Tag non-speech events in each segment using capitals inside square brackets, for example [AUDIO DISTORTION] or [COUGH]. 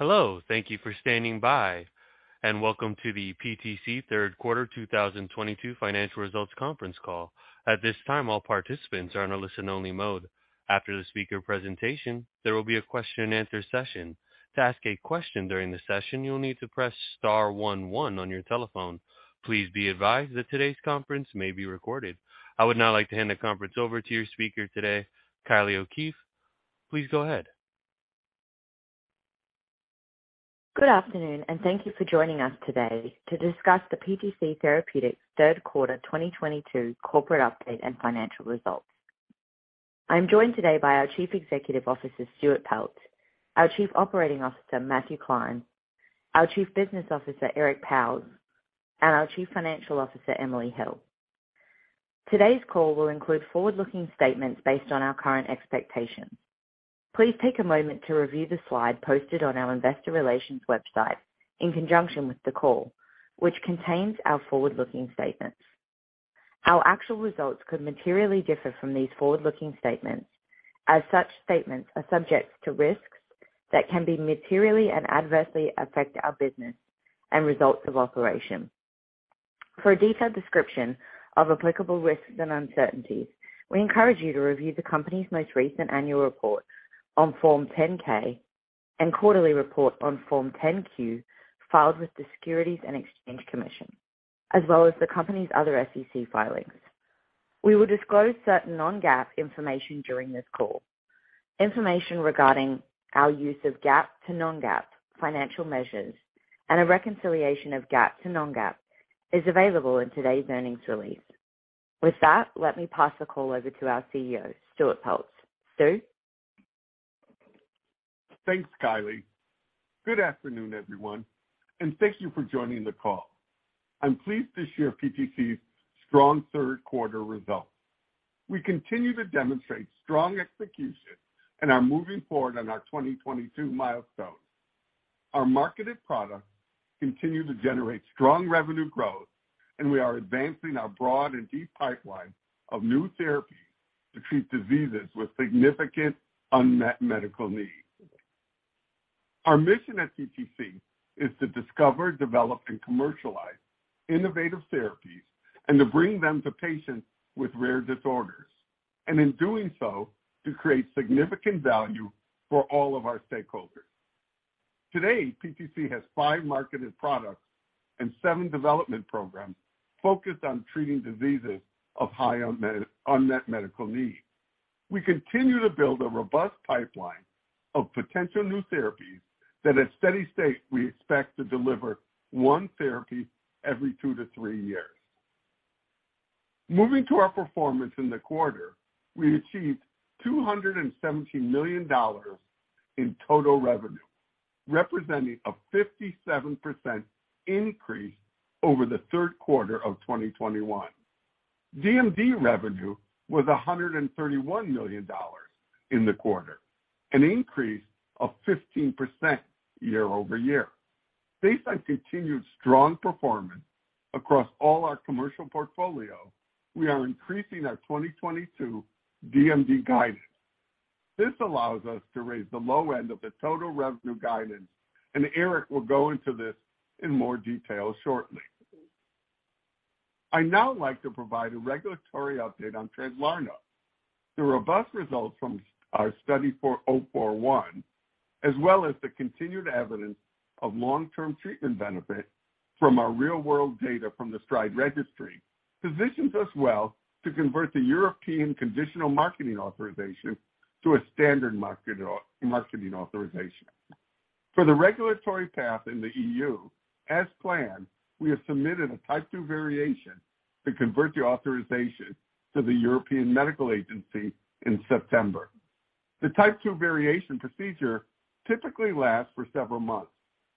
Hello, thank you for standing by and welcome to the PTC Third Quarter 2022 Financial Results Conference Call. At this time, all participants are in a listen-only mode. After the speaker presentation, there will be a question and answer session. To ask a question during the session, you'll need to press star one-one on your telephone. Please be advised that today's conference may be recorded. I would now like to hand the conference over to your speaker today, Kylie O'Keefe. Please go ahead. Good afternoon, and thank you for joining us today to discuss the PTC Therapeutics third quarter 2022 corporate update and financial results. I'm joined today by our Chief Executive Officer, Stuart Peltz, our Chief Operating Officer, Matthew Klein, our Chief Business Officer, Eric Pauwels, and our Chief Financial Officer, Emily Hill. Today's call will include forward-looking statements based on our current expectations. Please take a moment to review the slide posted on our investor relations website in conjunction with the call, which contains our forward-looking statements. Our actual results could materially differ from these forward-looking statements. As such statements are subject to risks that can be materially and adversely affect our business and results of operations. For a detailed description of applicable risks and uncertainties, we encourage you to review the company's most recent Annual Report on Form 10-K and quarterly report on Form 10-Q filed with the Securities and Exchange Commission, as well as the company's other SEC filings. We will disclose certain non-GAAP information during this call. Information regarding our use of GAAP to non-GAAP financial measures and a reconciliation of GAAP to non-GAAP is available in today's earnings release. With that, let me pass the call over to our CEO, Stuart Peltz. Stu? Thanks, Kylie. Good afternoon, everyone, and thank you for joining the call. I'm pleased to share PTC's strong third quarter results. We continue to demonstrate strong execution and are moving forward on our 2022 milestones. Our marketed products continue to generate strong revenue growth, and we are advancing our broad and deep pipeline of new therapies to treat diseases with significant unmet medical needs. Our mission at PTC is to discover, develop, and commercialize innovative therapies and to bring them to patients with rare disorders, and in doing so, to create significant value for all of our stakeholders. Today, PTC has five marketed products and seven development programs focused on treating diseases of high unmet medical needs. We continue to build a robust pipeline of potential new therapies that at steady-state we expect to deliver one therapy every two to three years. Moving to our performance in the quarter, we achieved $217 million in total revenue, representing a 57% increase over the third quarter of 2021. DMD revenue was $131 million in the quarter, an increase of 15% year-over-year. Based on continued strong performance across all our commercial portfolio, we are increasing our 2022 DMD guidance. This allows us to raise the low end of the total revenue guidance, and Eric will go into this in more detail shortly. I'd now like to provide a regulatory update on Translarna. The robust results from our study 4041, as well as the continued evidence of long-term treatment benefit from our real-world data from the STRIDE registry, positions us well to convert the European conditional marketing authorization to a standard marketing authorization. For the regulatory path in the E.U., as planned, we have submitted a Type II variation to convert the authorization to the European Medicines Agency in September. The Type II variation procedure typically lasts for several months,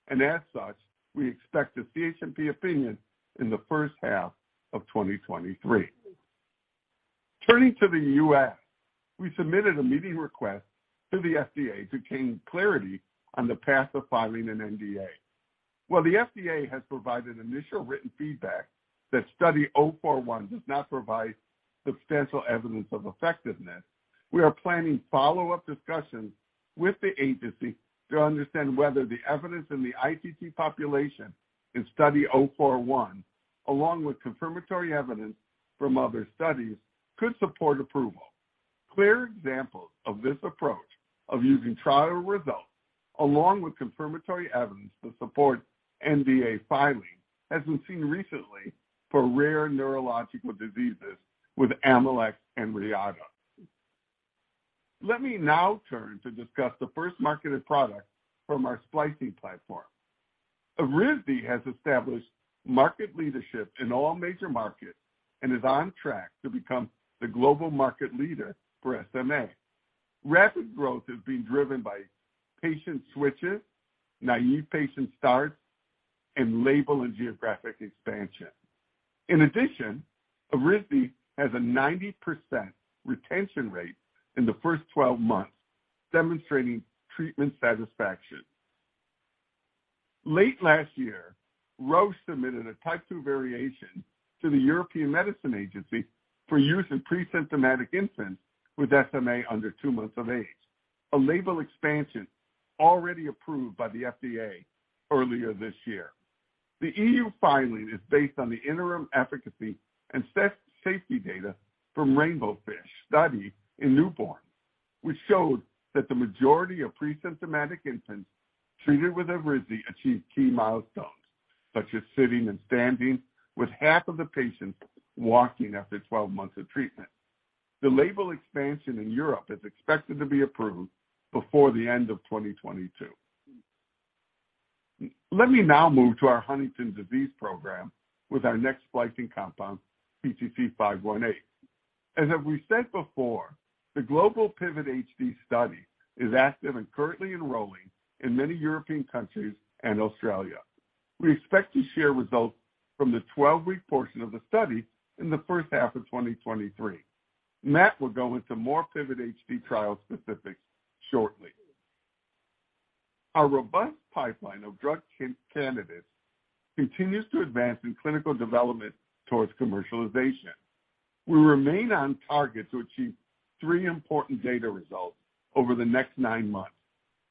and as such, we expect a CHMP opinion in the first half of 2023. Turning to the U.S., we submitted a meeting request to the FDA to gain clarity on the path of filing an NDA. While the FDA has provided initial written feedback that study 041 does not provide substantial evidence of effectiveness, we are planning follow-up discussions with the agency to understand whether the evidence in the ITT population in study 041, along with confirmatory evidence from other studies could support approval. Clear examples of this approach of using trial results along with confirmatory evidence to support NDA filing has been seen recently for rare neurological diseases with Amylyx and Reata. Let me now turn to discuss the first marketed product from our splicing platform. Evrysdi has established market leadership in all major markets and is on track to become the global market leader for SMA. Rapid growth is being driven by patient switches, naive patient starts, and label and geographic expansion. In addition, Evrysdi has a 90% retention rate in the first 12 months, demonstrating treatment satisfaction. Late last year, Roche submitted a Type II variation to the European Medicines Agency for use in pre-symptomatic infants with SMA under two months of age. A label expansion already approved by the FDA earlier this year. The E.U. filing is based on the interim efficacy and safety data from RAINBOWFISH study in newborns, which showed that the majority of presymptomatic infants treated with Evrysdi achieved key milestones, such as sitting and standing, with half of the patients walking after 12 months of treatment. The label expansion in Europe is expected to be approved before the end of 2022. Let me now move to our Huntington's disease program with our next splicing compound, PTC518. As we said before, the global PIVOT-HD study is active and currently enrolling in many European countries and Australia. We expect to share results from the 12-week portion of the study in the first half of 2023. Matt will go into more PIVOT-HD trial specifics shortly. Our robust pipeline of drug candidates continues to advance in clinical development towards commercialization. We remain on target to achieve three important data results over the next nine months.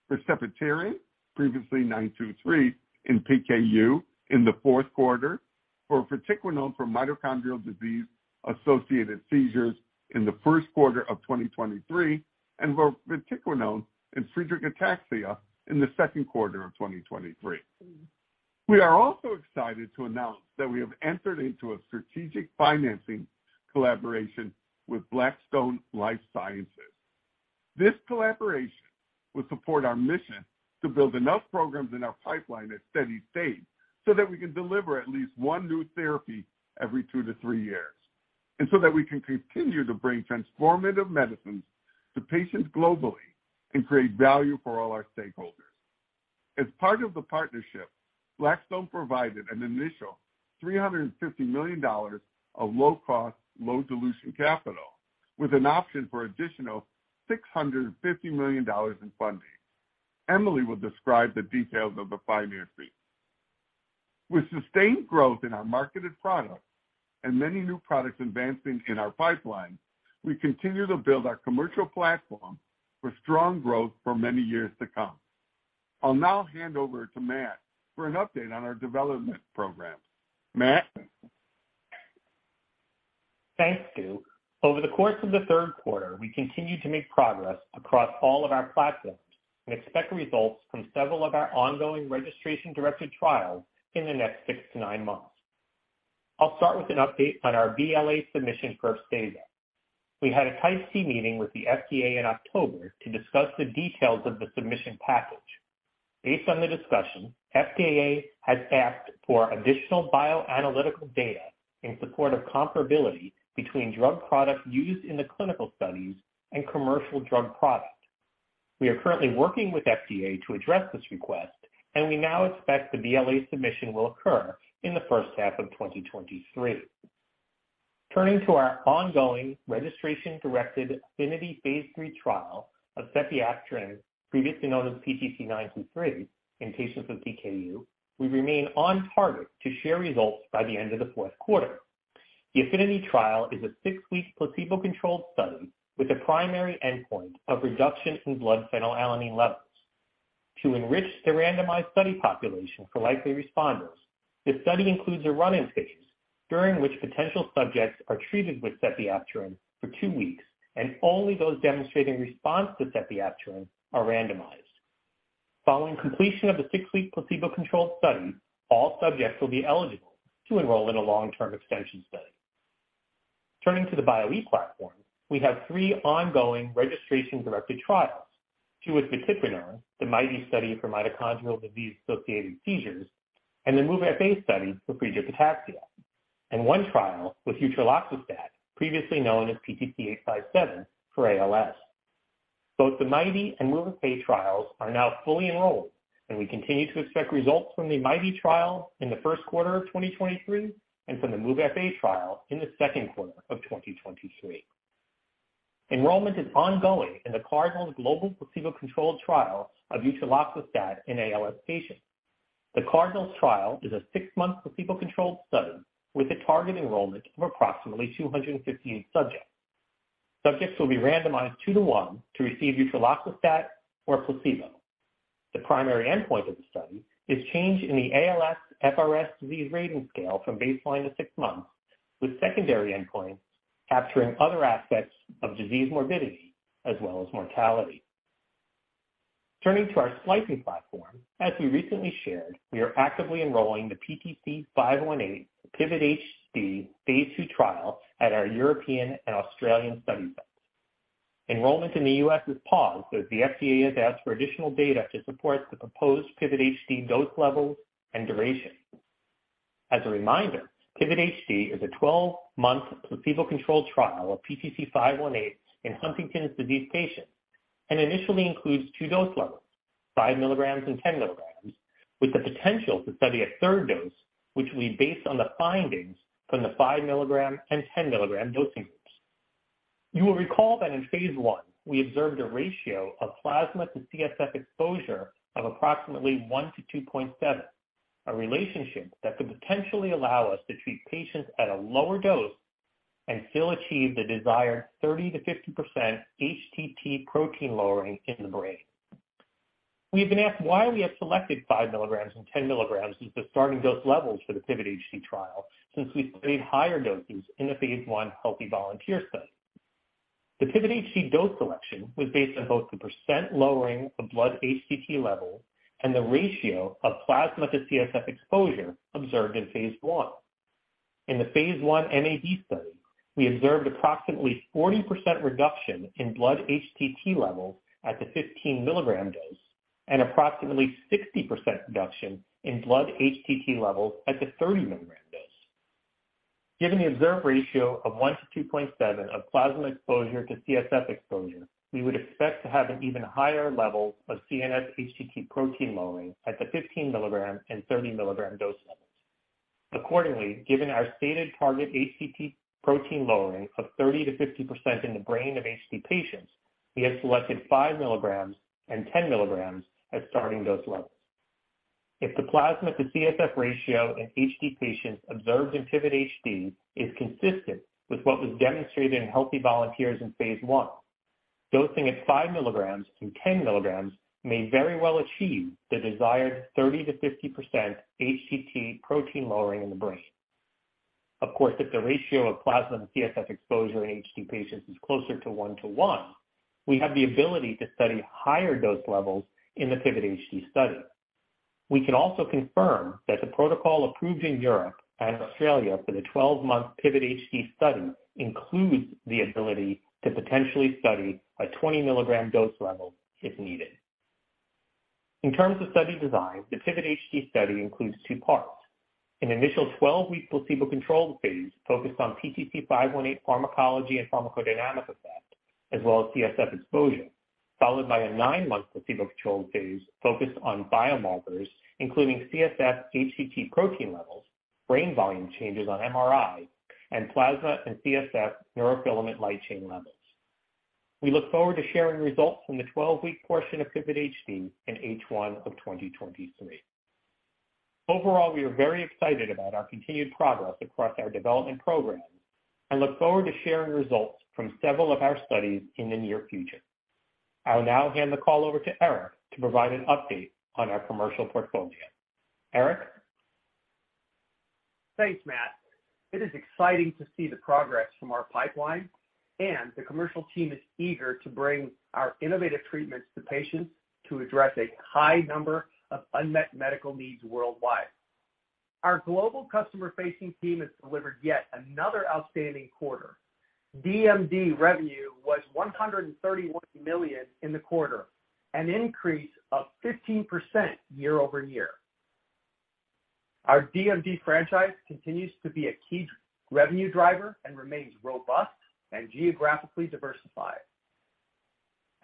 For sepiapterin, previously 923 in PKU in the fourth quarter, for vatiquinone from mitochondrial disease-associated seizures in the first quarter of 2023, and for vatiquinone in Friedreich's ataxia in the second quarter of 2023. We are also excited to announce that we have entered into a strategic financing collaboration with Blackstone Life Sciences. This collaboration will support our mission to build enough programs in our pipeline at steady state so that we can deliver at least one new therapy every two-three years, and so that we can continue to bring transformative medicines to patients globally and create value for all our stakeholders. As part of the partnership, Blackstone provided an initial $350 million of low cost, low dilution capital with an option for additional $650 million in funding. Emily will describe the details of the financing. With sustained growth in our marketed products and many new products advancing in our pipeline, we continue to build our commercial platform for strong growth for many years to come. I'll now hand over to Matt for an update on our development program. Matt? Thanks, Stu. Over the course of the third quarter, we continued to make progress across all of our platforms and expect results from several of our ongoing registration-directed trials in the next six-nine months. I'll start with an update on our BLA submission for sepiapterin. We had a Type C meeting with the FDA in October to discuss the details of the submission package. Based on the discussion, FDA has asked for additional bioanalytical data in support of comparability between drug products used in the clinical studies and commercial drug product. We are currently working with FDA to address this request, and we now expect the BLA submission will occur in the first half of 2023. Turning to our ongoing registration-directed APHENITY phase III trial of sepiapterin, previously known as PTC923 in patients with PKU, we remain on target to share results by the end of the fourth quarter. The APHENITY trial is a six-week placebo-controlled study with a primary endpoint of reduction in blood phenylalanine levels. To enrich the randomized study population for likely responders, the study includes a run-in phase during which potential subjects are treated with sepiapterin for two weeks, and only those demonstrating response to sepiapterin are randomized. Following completion of the six-week placebo-controlled study, all subjects will be eligible to enroll in a long-term extension study. Turning to the Bio-e platform, we have three ongoing registration-directed trials. Two with vatiquinone, the MIT-E study for mitochondrial disease-associated seizures, and the MOVE-FA study for Friedreich's ataxia. One trial with utruloxostat, previously known as PTC857 for ALS. Both the MIT-E and MOVE-FA trials are now fully enrolled, and we continue to expect results from the MIT-E trial in the first quarter of 2023 and from the MOVE-FA trial in the second quarter of 2023. Enrollment is ongoing in the CardinALS global placebo-controlled trial of utruloxostat in ALS patients. The CardinALS trial is a six-month placebo-controlled study with a target enrollment of approximately 215 subjects. Subjects will be randomized 2:1 to receive utruloxostat or a placebo. The primary endpoint of the study is change in the ALSFRS-R disease rating scale from baseline to six months, with secondary endpoints capturing other aspects of disease morbidity as well as mortality. Turning to our splicing platform, as we recently shared, we are actively enrolling the PTC518 PIVOT-HD phase II trial at our European and Australian study sites. Enrollment in the U.S. is paused as the FDA has asked for additional data to support the proposed PIVOT-HD dose levels and duration. As a reminder, PIVOT-HD is a 12-month placebo-controlled trial of PTC518 in Huntington's disease patients and initially includes two dose levels, 5 mg and 10 mg, with the potential to study a third dose, which will be based on the findings from the 5-mg and 10-mg dosing groups. You will recall that in phase I, we observed a ratio of plasma to CSF exposure of approximately 1-2.7, a relationship that could potentially allow us to treat patients at a lower dose and still achieve the desired 30%-50% HTT protein lowering in the brain. We have been asked why we have selected 5 mg and 10 mg as the starting dose levels for the PIVOT-HD trial since we studied higher doses in the phase I healthy volunteer study. The PIVOT-HD dose selection was based on both the percent lowering of blood HTT levels and the ratio of plasma to CSF exposure observed in phase I. In the phase I NAV study, we observed approximately 40% reduction in blood HTT levels at the 15-mg dose and approximately 60% reduction in blood HTT levels at the 30-mg dose. Given the observed ratio of 1-2.7 of plasma exposure to CSF exposure, we would expect to have an even higher level of CNS HTT protein lowering at the 15-mg and 30-mg dose levels. Accordingly, given our stated target HTT protein lowering of 30%-50% in the brain of HD patients, we have selected 5 mg and 10 mg as starting dose levels. If the plasma to CSF ratio in HD patients observed in PIVOT-HD is consistent with what was demonstrated in healthy volunteers in phase I, dosing at 5 mg and 10 mg may very well achieve the desired 30%-50% HTT protein lowering in the brain. Of course, if the ratio of plasma to CSF exposure in HD patients is closer to 1:1, we have the ability to study higher dose levels in the PIVOT-HD study. We can also confirm that the protocol approved in Europe and Australia for the 12-month PIVOT-HD study includes the ability to potentially study a 20-mg dose level if needed. In terms of study design, the PIVOT-HD study includes two parts. An initial 12-week placebo-controlled phase focused on PTC518 pharmacology and pharmacodynamic effect, as well as CSF exposure, followed by a nine-month placebo-controlled phase focused on biomarkers, including CSF HTT protein levels, brain volume changes on MRI, and plasma and CSF neurofilament light chain levels. We look forward to sharing results from the 12-week portion of PIVOT-HD in H1 of 2023. Overall, we are very excited about our continued progress across our development programs and look forward to sharing results from several of our studies in the near future. I'll now hand the call over to Eric to provide an update on our commercial portfolio. Eric? Thanks, Matt. It is exciting to see the progress from our pipeline, and the commercial team is eager to bring our innovative treatments to patients to address a high number of unmet medical needs worldwide. Our global customer-facing team has delivered yet another outstanding quarter. DMD revenue was $131 million in the quarter, an increase of 15% year-over-year. Our DMD franchise continues to be a key revenue driver and remains robust and geographically diversified.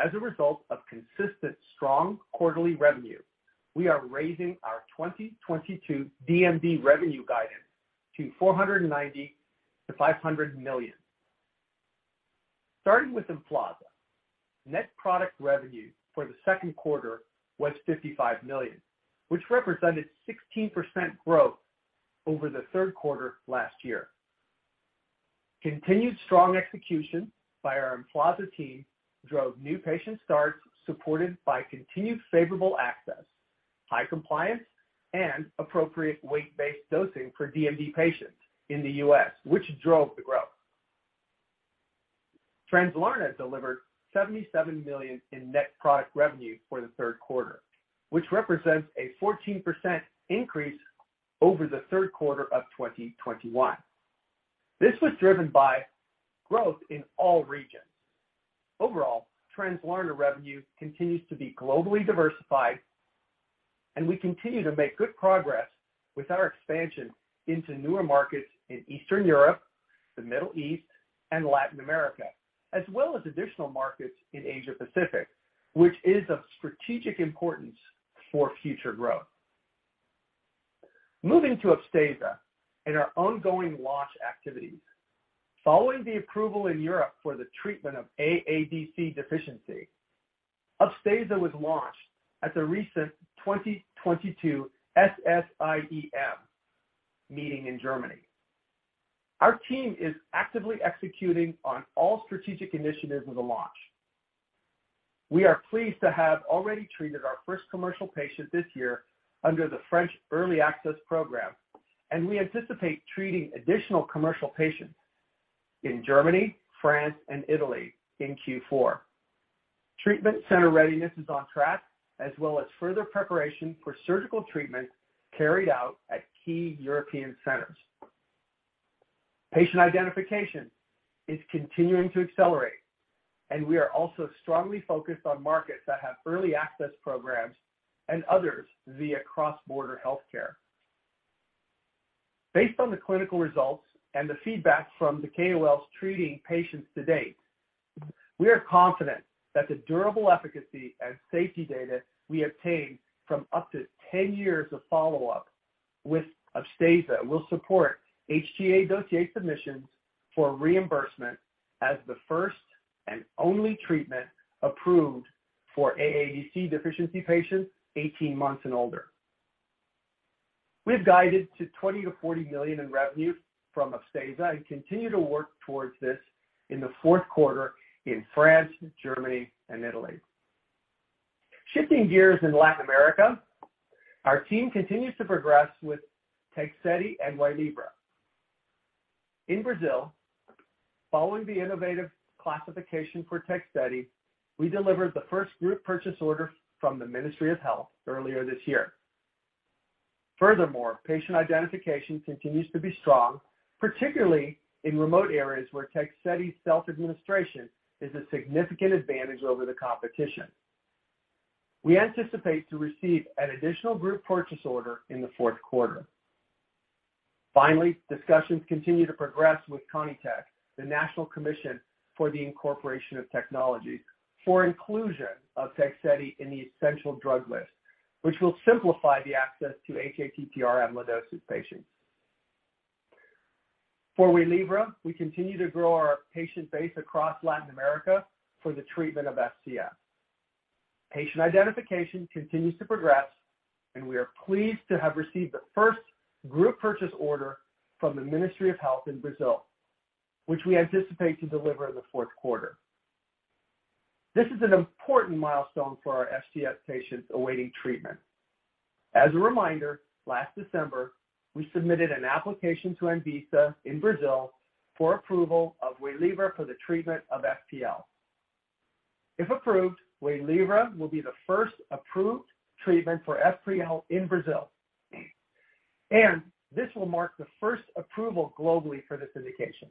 As a result of consistent strong quarterly revenue, we are raising our 2022 DMD revenue guidance to $490 million-$500 million. Starting with Emflaza, net product revenue for the second quarter was $55 million, which represented 16% growth over the third quarter last year. Continued strong execution by our Emflaza team drove new patient starts supported by continued favorable access, high compliance, and appropriate weight-based dosing for DMD patients in the U.S., which drove the growth. Translarna delivered $77 million in net product revenue for the third quarter, which represents a 14% increase over the third quarter of 2021. This was driven by growth in all regions. Overall, Translarna revenue continues to be globally diversified, and we continue to make good progress with our expansion into newer markets in Eastern Europe, the Middle East, and Latin America, as well as additional markets in Asia Pacific, which is of strategic importance for future growth. Moving to Upstaza and our ongoing launch activities. Following the approval in Europe for the treatment of AADC deficiency, Upstaza was launched at the recent 2022 SSIEM meeting in Germany. Our team is actively executing on all strategic initiatives of the launch. We are pleased to have already treated our first commercial patient this year under the French Early Access Program, and we anticipate treating additional commercial patients in Germany, France, and Italy in Q4. Treatment center readiness is on track, as well as further preparation for surgical treatment carried out at key European centers. Patient identification is continuing to accelerate, and we are also strongly focused on markets that have early access programs and others via cross-border healthcare. Based on the clinical results and the feedback from the KOLs treating patients to date. We are confident that the durable efficacy and safety data we obtained from up to 10 years of follow-up with Upstaza will support HTA dossier submissions for reimbursement as the first and only treatment approved for AADC deficiency patients 18 months and older. We have guided to $20 million-$40 million in revenue from Upstaza and continue to work towards this in the fourth quarter in France, Germany and Italy. Shifting gears in Latin America, our team continues to progress with Tegsedi and Waylivra. In Brazil, following the innovative classification for Tegsedi, we delivered the first group purchase order from the Ministry of Health earlier this year. Furthermore, patient identification continues to be strong, particularly in remote areas where Tegsedi's self-administration is a significant advantage over the competition. We anticipate to receive an additional group purchase order in the fourth quarter. Finally, discussions continue to progress with Conitec, the National Commission for the Incorporation of Technologies, for inclusion of Tegsedi in the essential drug list, which will simplify the access to hATTR amyloidosis patients. For Waylivra, we continue to grow our patient base across Latin America for the treatment of FCS. Patient identification continues to progress, and we are pleased to have received the first group purchase order from the Ministry of Health in Brazil, which we anticipate to deliver in the fourth quarter. This is an important milestone for our FCS patients awaiting treatment. As a reminder, last December, we submitted an application to ANVISA in Brazil for approval of Waylivra for the treatment of FPL. If approved, Waylivra will be the first approved treatment for FPL in Brazil. This will mark the first approval globally for this indication.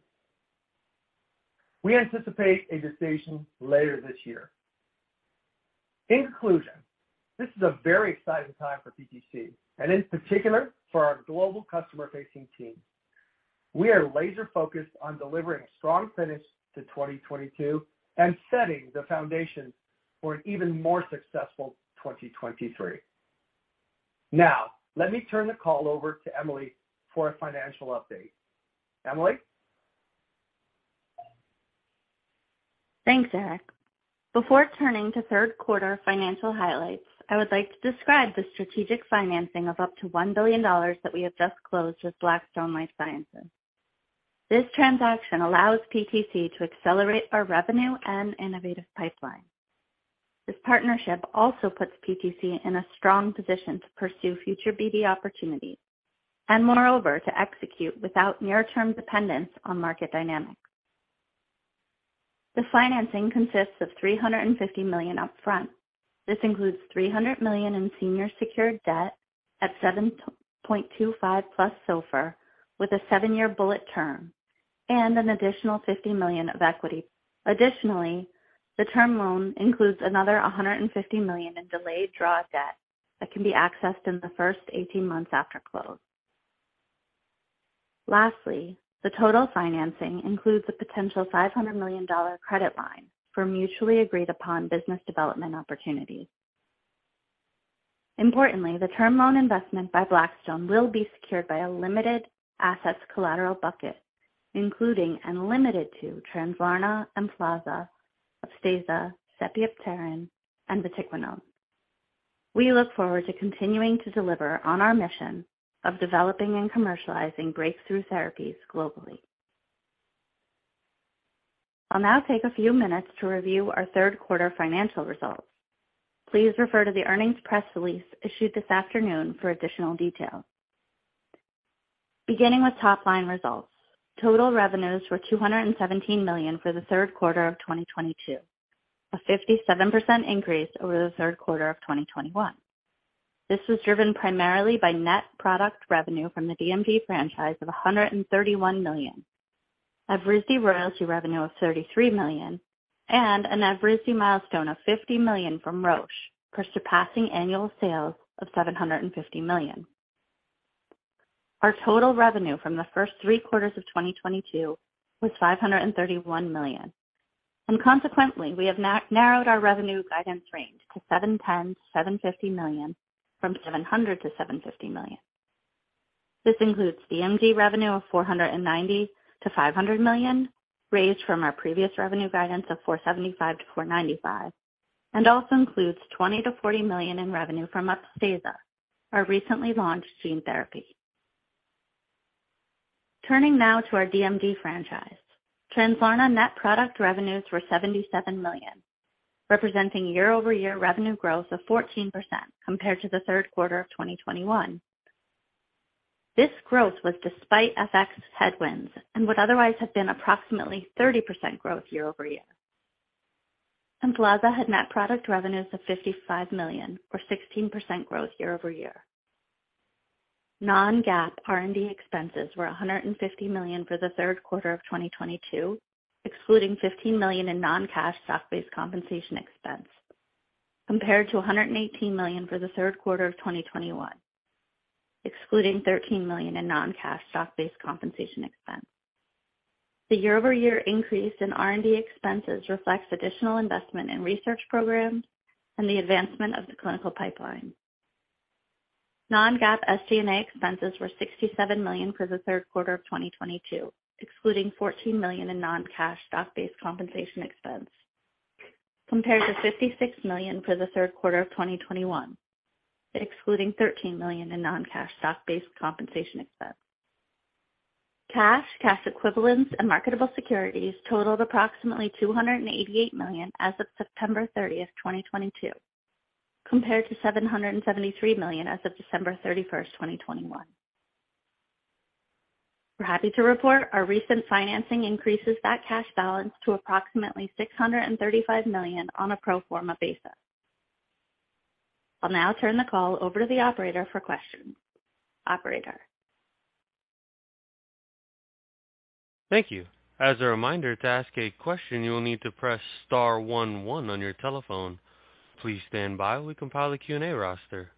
We anticipate a decision later this year. In conclusion, this is a very exciting time for PTC, and in particular for our global customer-facing teams. We are laser-focused on delivering a strong finish to 2022 and setting the foundation for an even more successful 2023. Now, let me turn the call over to Emily for a financial update. Emily? Thanks, Eric. Before turning to third quarter financial highlights, I would like to describe the strategic financing of up to $1 billion that we have just closed with Blackstone Life Sciences. This transaction allows PTC to accelerate our revenue and innovative pipeline. This partnership also puts PTC in a strong position to pursue future BD opportunities, and moreover, to execute without near-term dependence on market dynamics. The financing consists of $350 million upfront. This includes $300 million in senior secured debt at 7.25%+ SOFR, with a seven-year bullet term and an additional $50 million of equity. Additionally, the term loan includes another $150 million in delayed draw debt that can be accessed in the first 18 months after close. Lastly, the total financing includes a potential $500 million credit line for mutually agreed upon business development opportunities. Importantly, the term loan investment by Blackstone will be secured by a limited assets collateral bucket, including and limited to Translarna, Emflaza, Upstaza, sepiapterin, and vatiquinone. We look forward to continuing to deliver on our mission of developing and commercializing breakthrough therapies globally. I'll now take a few minutes to review our third quarter financial results. Please refer to the earnings press release issued this afternoon for additional details. Beginning with top-line results. Total revenues were $217 million for the third quarter of 2022, a 57% increase over the third quarter of 2021. This was driven primarily by net product revenue from the DMD franchise of $131 million, Evrysdi royalty revenue of $33 million, and an Evrysdi milestone of $50 million from Roche for surpassing annual sales of $750 million. Our total revenue from the first three quarters of 2022 was $531 million, and consequently, we have narrowed our revenue guidance range to $710 million-$750 million from $700 million-$750 million. This includes DMD revenue of $490 million-$500 million, raised from our previous revenue guidance of $475 million-$495 million, and also includes $20 million-$40 million in revenue from Upstaza, our recently launched gene therapy. Turning now to our DMD franchise. Translarna net product revenues were $77 million, representing year-over-year revenue growth of 14% compared to the third quarter of 2021. This growth was despite FX headwinds and would otherwise have been approximately 30% growth year over year. Emflaza had net product revenues of $55 million or 16% growth year over year. Non-GAAP R&D expenses were $150 million for the third quarter of 2022, excluding $15 million in non-cash stock-based compensation expense, compared to $118 million for the third quarter of 2021. Excluding $13 million in non-cash stock-based compensation expense. The year-over-year increase in R&D expenses reflects additional investment in research programs and the advancement of the clinical pipeline. Non-GAAP SG&A expenses were $67 million for the third quarter of 2022, excluding $14 million in non-cash stock-based compensation expense, compared to $56 million for the third quarter of 2021, excluding $13 million in non-cash stock-based compensation expense. Cash, cash equivalents and marketable securities totaled approximately $288 million as of September 30, 2022, compared to $773 million as of December 31, 2021. We're happy to report our recent financing increases our cash balance to approximately $635 million on a pro forma basis. I'll now turn the call over to the operator for questions. Operator? Thank you. As a reminder, to ask a question, you will need to press star one one on your telephone. Please stand by while we compile the Q&A roster.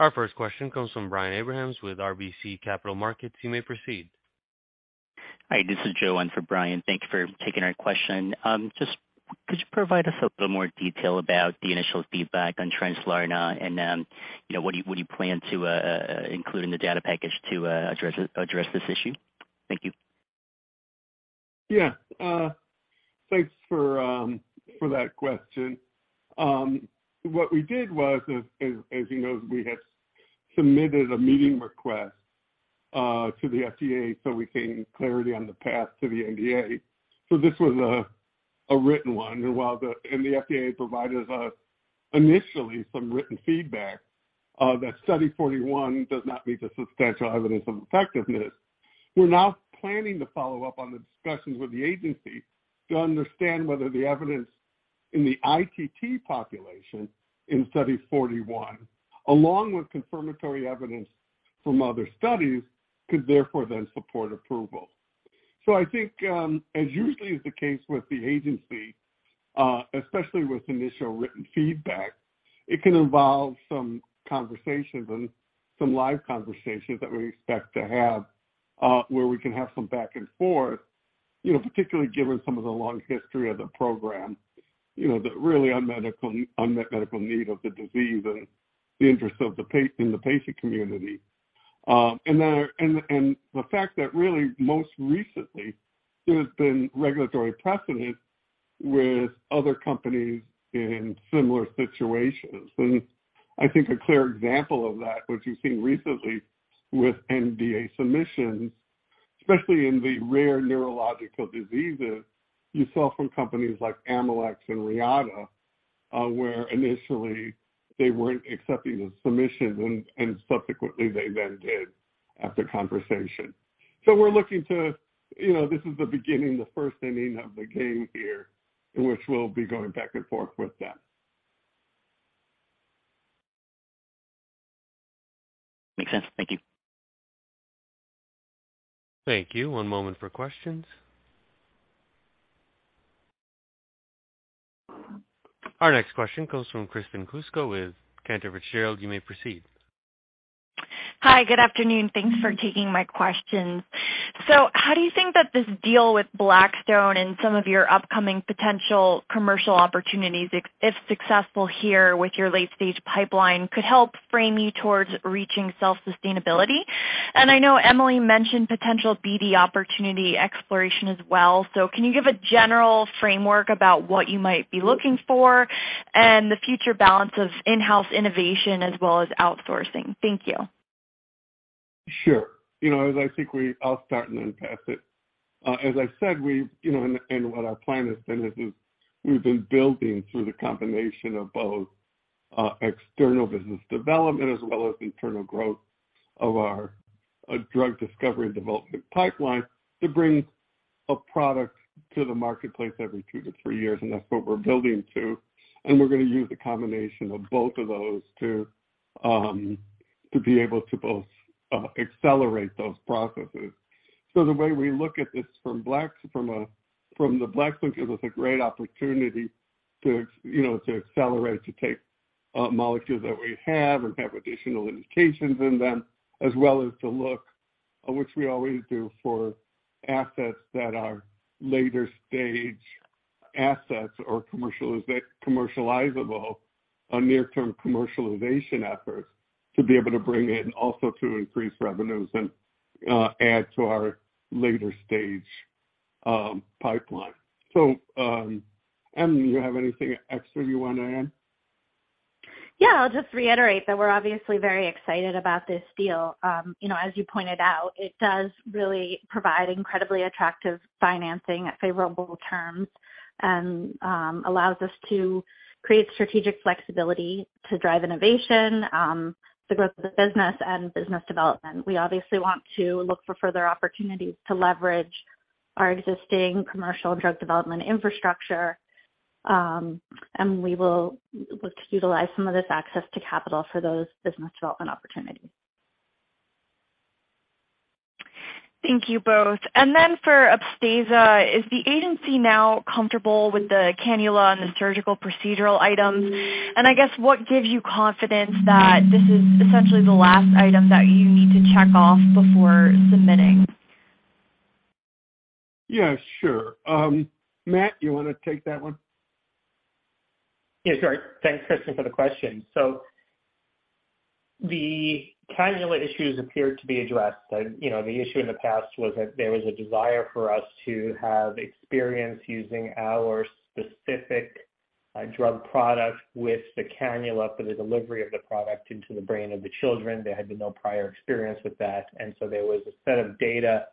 Our first question comes from Brian Abrahams with RBC Capital Markets. You may proceed. Hi, this is Joanne for Brian. Thank you for taking our question. Just could you provide us a little more detail about the initial feedback on Translarna and, you know, what do you plan to include in the data package to address this issue? Thank you. Yeah. Thanks for that question. What we did was, as you know, we had submitted a meeting request to the FDA, so we gained clarity on the path to the NDA. This was a written one. While the FDA provided us initially some written feedback that study 41 does not meet the substantial evidence of effectiveness. We're now planning to follow up on the discussions with the agency to understand whether the evidence in the ITT population in study 41, along with confirmatory evidence from other studies, could therefore then support approval. I think, as usually is the case with the agency, especially with initial written feedback, it can involve some conversations and some live conversations that we expect to have, where we can have some back and forth. You know, particularly given some of the long history of the program, you know, the really unmet medical need of the disease and the interest of the patient in the patient community. The fact that really most recently there's been regulatory precedent with other companies in similar situations. I think a clear example of that, which we've seen recently with NDA submissions, especially in the rare neurological diseases you saw from companies like Amylyx and Reata, where initially they weren't accepting the submission and subsequently they then did after conversation. We're looking to, you know, this is the beginning, the first inning of the game here, in which we'll be going back and forth with them. Makes sense. Thank you. Thank you. One moment for questions. Our next question comes from Kristen Kluska with Cantor Fitzgerald. You may proceed. Hi, good afternoon. Thanks for taking my questions. How do you think that this deal with Blackstone and some of your upcoming potential commercial opportunities, if successful here with your late-stage pipeline, could help frame you towards reaching self-sustainability? And I know Emily mentioned potential BD opportunity exploration as well. Can you give a general framework about what you might be looking for and the future balance of in-house innovation as well as outsourcing? Thank you. Sure. You know, as I think I'll start and then pass it. As I said, you know, and what our plan has been is we've been building through the combination of both external business development as well as internal growth of our drug discovery and development pipeline to bring a product to the marketplace every two-three years. That's what we're building to. We're gonna use a combination of both of those to be able to both accelerate those processes. The way we look at this from Blackstone gives us a great opportunity to, you know, to accelerate, to take molecules that we have and have additional indications in them, as well as to look, which we always do, for assets that are later stage assets or commercializable or near term commercialization efforts to be able to bring in also to increase revenues and add to our later stage pipeline. Em, do you have anything extra you want to add? Yeah, I'll just reiterate that we're obviously very excited about this deal. You know, as you pointed out, it does really provide incredibly attractive financing at favorable terms and allows us to create strategic flexibility to drive innovation, the growth of the business and business development. We obviously want to look for further opportunities to leverage our existing commercial drug development infrastructure. We will look to utilize some of this access to capital for those business development opportunities. Thank you both. For Upstaza, is the agency now comfortable with the cannula and the surgical procedural items? I guess what gives you confidence that this is essentially the last item that you need to check off before submitting? Yeah, sure. Matt, you want to take that one? Yeah, sure. Thanks, Kristen, for the question. The cannula issues appear to be addressed. You know, the issue in the past was that there was a desire for us to have experience using our specific drug product with the cannula for the delivery of the product into the brain of the children. There had been no prior experience with that, and so there was a set of data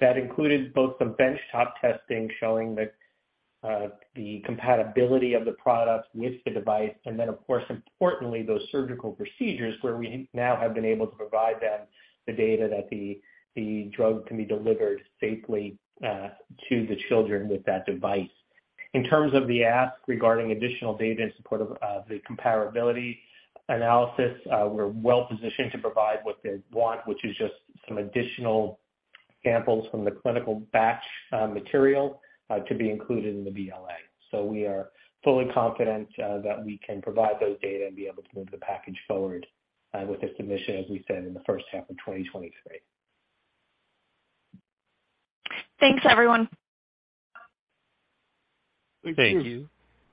that included both the benchtop testing showing the compatibility of the product with the device, and then of course, importantly, those surgical procedures where we now have been able to provide them the data that the drug can be delivered safely to the children with that device. In terms of the ask regarding additional data in support of the comparability analysis, we're well-positioned to provide what they want, which is just some additional samples from the clinical batch material to be included in the BLA. We are fully confident that we can provide those data and be able to move the package forward with the submission, as we said, in the first half of 2023. Thanks, everyone. Thank you.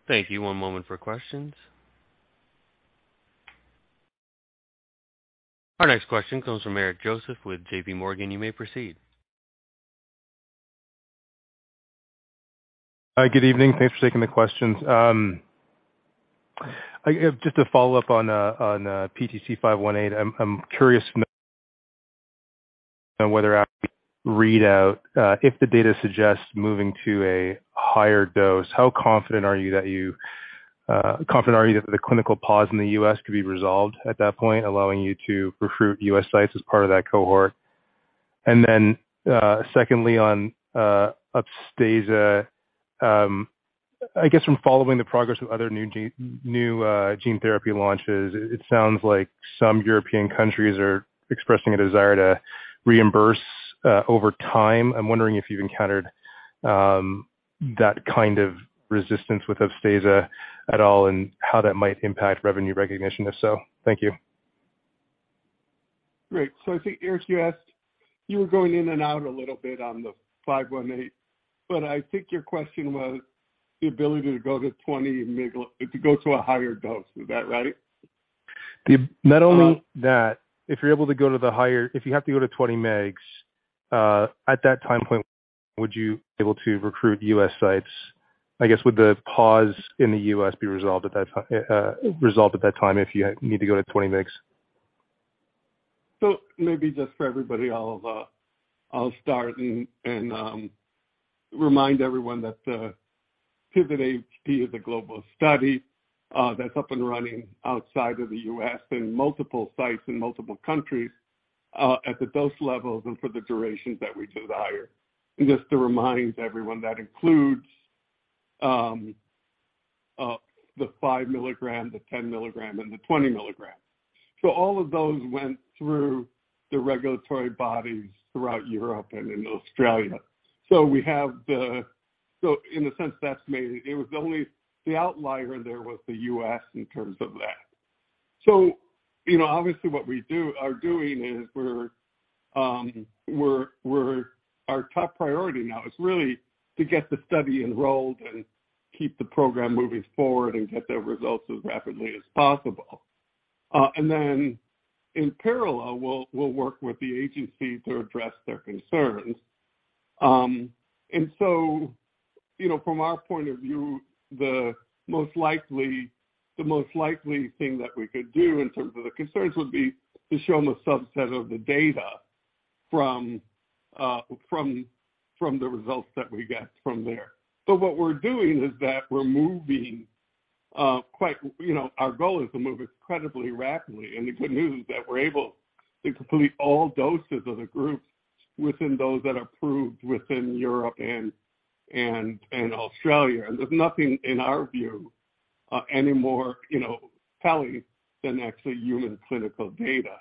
Thank you. One moment for questions. Our next question comes from Eric Joseph with J.P. Morgan. You may proceed. Hi, good evening. Thanks for taking the questions. I have just a follow-up on PTC518. I'm curious to know whether readout, if the data suggests moving to a higher dose, how confident are you that the clinical pause in the U.S. could be resolved at that point, allowing you to recruit U.S. sites as part of that cohort? Then, secondly, on Upstaza, I guess from following the progress of other new gene therapy launches, it sounds like some European countries are expressing a desire to reimburse over time. I'm wondering if you've encountered that kind of resistance with Upstaza at all and how that might impact revenue recognition if so. Thank you. Great. I think, Eric, you asked, you were going in and out a little bit on the 518, but I think your question was the ability to go to a higher dose. Is that right? Not only that, if you have to go to 20 mg at that time point, would you be able to recruit U.S. sites? I guess, would the pause in the U.S. be resolved at that time if you need to go to 20 mg? Maybe just for everybody, I'll start and remind everyone that PIVOT-HD is a global study that's up and running outside of the U.S. in multiple sites in multiple countries at the dose levels and for the durations that we desire. Just to remind everyone, that includes the 5 mg, the 10 mg, and the 20 mg. All of those went through the regulatory bodies throughout Europe and in Australia. In a sense, that's mainly it. It was only the outlier, there was the U.S. in terms of that. You know, obviously what we're doing is our top priority now is really to get the study enrolled and keep the program moving forward and get the results as rapidly as possible. In parallel, we'll work with the agency to address their concerns. From our point of view, the most likely thing that we could do in terms of the concerns would be to show them a subset of the data from the results that we get from there. What we're doing is that we're moving. You know, our goal is to move incredibly rapidly, and the good news is that we're able to complete all doses of the groups within those that are approved within Europe and Australia. There's nothing in our view any more telling than actually human clinical data.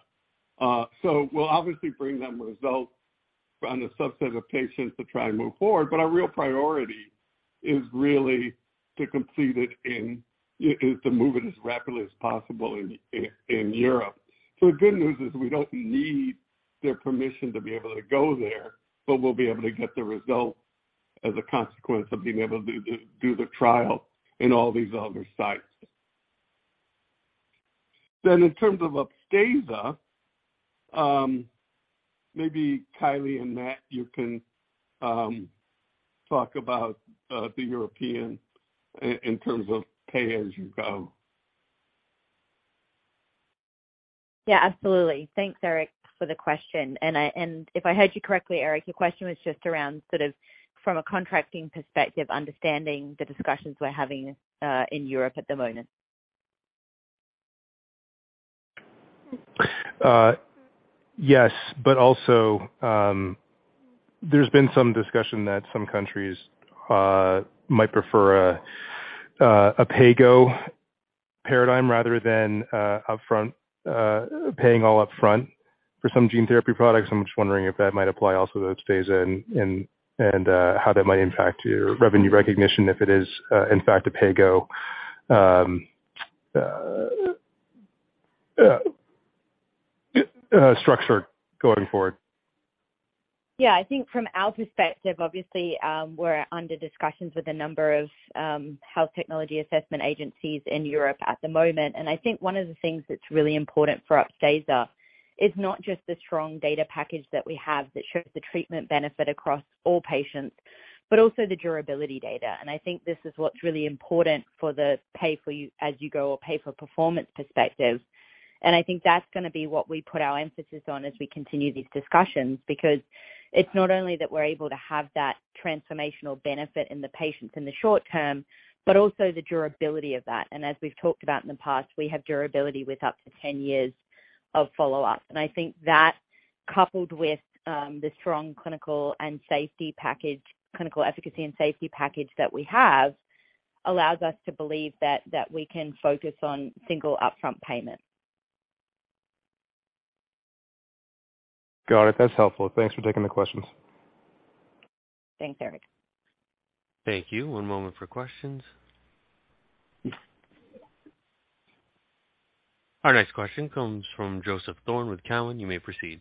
We'll obviously bring them results on the subset of patients to try and move forward, but our real priority is really is to move it as rapidly as possible in Europe. The good news is we don't need their permission to be able to go there, but we'll be able to get the results as a consequence of being able to do the trial in all these other sites. In terms of Upstaza, maybe Kylie and Matt, you can talk about the European in terms of pay as you go. Yeah, absolutely. Thanks, Eric, for the question. If I heard you correctly, Eric, your question was just around sort of from a contracting perspective, understanding the discussions we're having in Europe at the moment. Yes, also, there's been some discussion that some countries might prefer a pay-go. Paradigm rather than upfront paying all upfront for some gene therapy products. I'm just wondering if that might apply also to Upstaza and how that might impact your revenue recognition if it is, in fact, a pay-go structure going forward. Yeah. I think from our perspective, obviously, we're under discussions with a number of health technology assessment agencies in Europe at the moment. I think one of the things that's really important for Upstaza is not just the strong data package that we have that shows the treatment benefit across all patients, but also the durability data. I think this is what's really important for the pay-as-you-go or pay-for-performance perspective. I think that's gonna be what we put our emphasis on as we continue these discussions. Because it's not only that we're able to have that transformational benefit in the patients in the short term, but also the durability of that. As we've talked about in the past, we have durability with up to 10 years of follow-up. I think that coupled with the strong clinical and safety package, clinical efficacy and safety package that we have allows us to believe that we can focus on single upfront payment. Got it. That's helpful. Thanks for taking the questions. Thanks, Eric. Thank you. One moment for questions. Our next question comes from Joseph Thome with Cowen. You may proceed.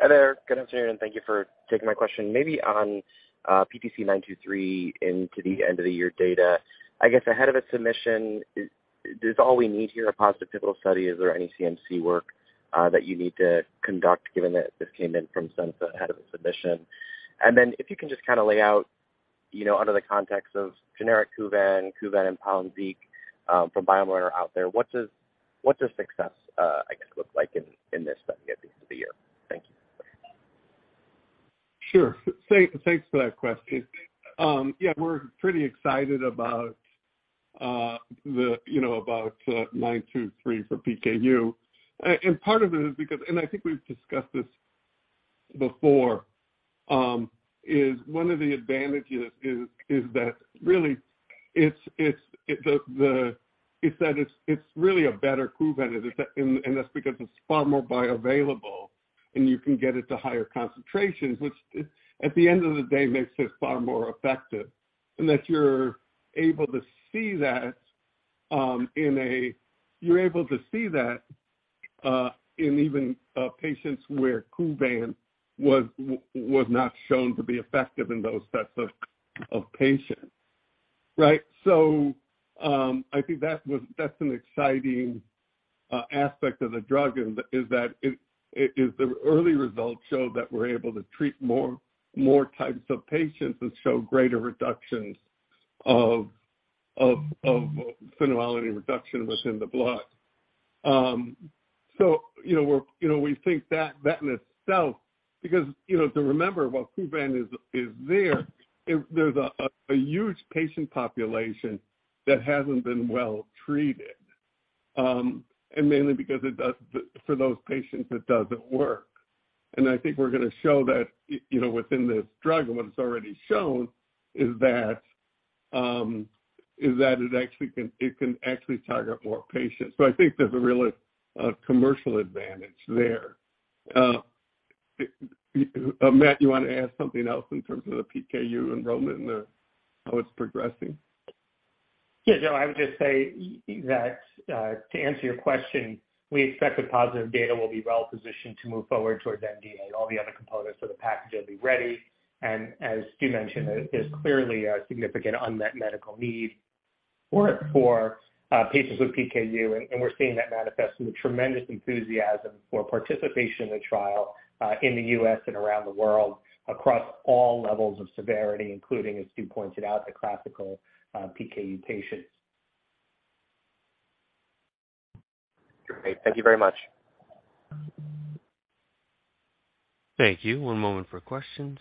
Hi there. Good afternoon, and thank you for taking my question. Maybe on PTC923 into the end of the year data. I guess ahead of a submission, does all we need here a positive pivotal study? Is there any CMC work that you need to conduct given that this came in from Censa ahead of a submission? Then if you can just kinda lay out, you know, under the context of generic Kuvan and Palynziq from BioMarin out there, what does success look like in this study at the end of the year? Thank you. Sure. Thanks for that question. Yeah, we're pretty excited about the you know about 923 for PKU. Part of it is because I think we've discussed this before is one of the advantages is that really it's the it's really a better Kuvan. It is that that's because it's far more bioavailable, and you can get it to higher concentrations, which at the end of the day makes this far more effective. That you're able to see that in a You're able to see that in even patients where Kuvan was not shown to be effective in those sets of patients. Right. I think that's an exciting aspect of the drug and that is that the early results show that we're able to treat more types of patients and show greater reductions of phenylalanine within the blood. You know, we think that in itself because, you know, to remember while Kuvan is there's a huge patient population that hasn't been well treated, and mainly because for those patients it doesn't work. I think we're gonna show that, you know, within this drug and what it's already shown is that it can actually target more patients. I think there's a real commercial advantage there. Matt, you wanna add something else in terms of the PKU enrollment and how it's progressing? Yeah. Joe, I would just say that to answer your question, we expect the positive data will be well positioned to move forward towards NDA. All the other components for the package will be ready, and as Stu mentioned, there is clearly a significant unmet medical need for patients with PKU. We're seeing that manifest in the tremendous enthusiasm for participation in the trial in the U.S. and around the world across all levels of severity, including, as Stu pointed out, the classical PKU patients. Great. Thank you very much. Thank you. One moment for questions.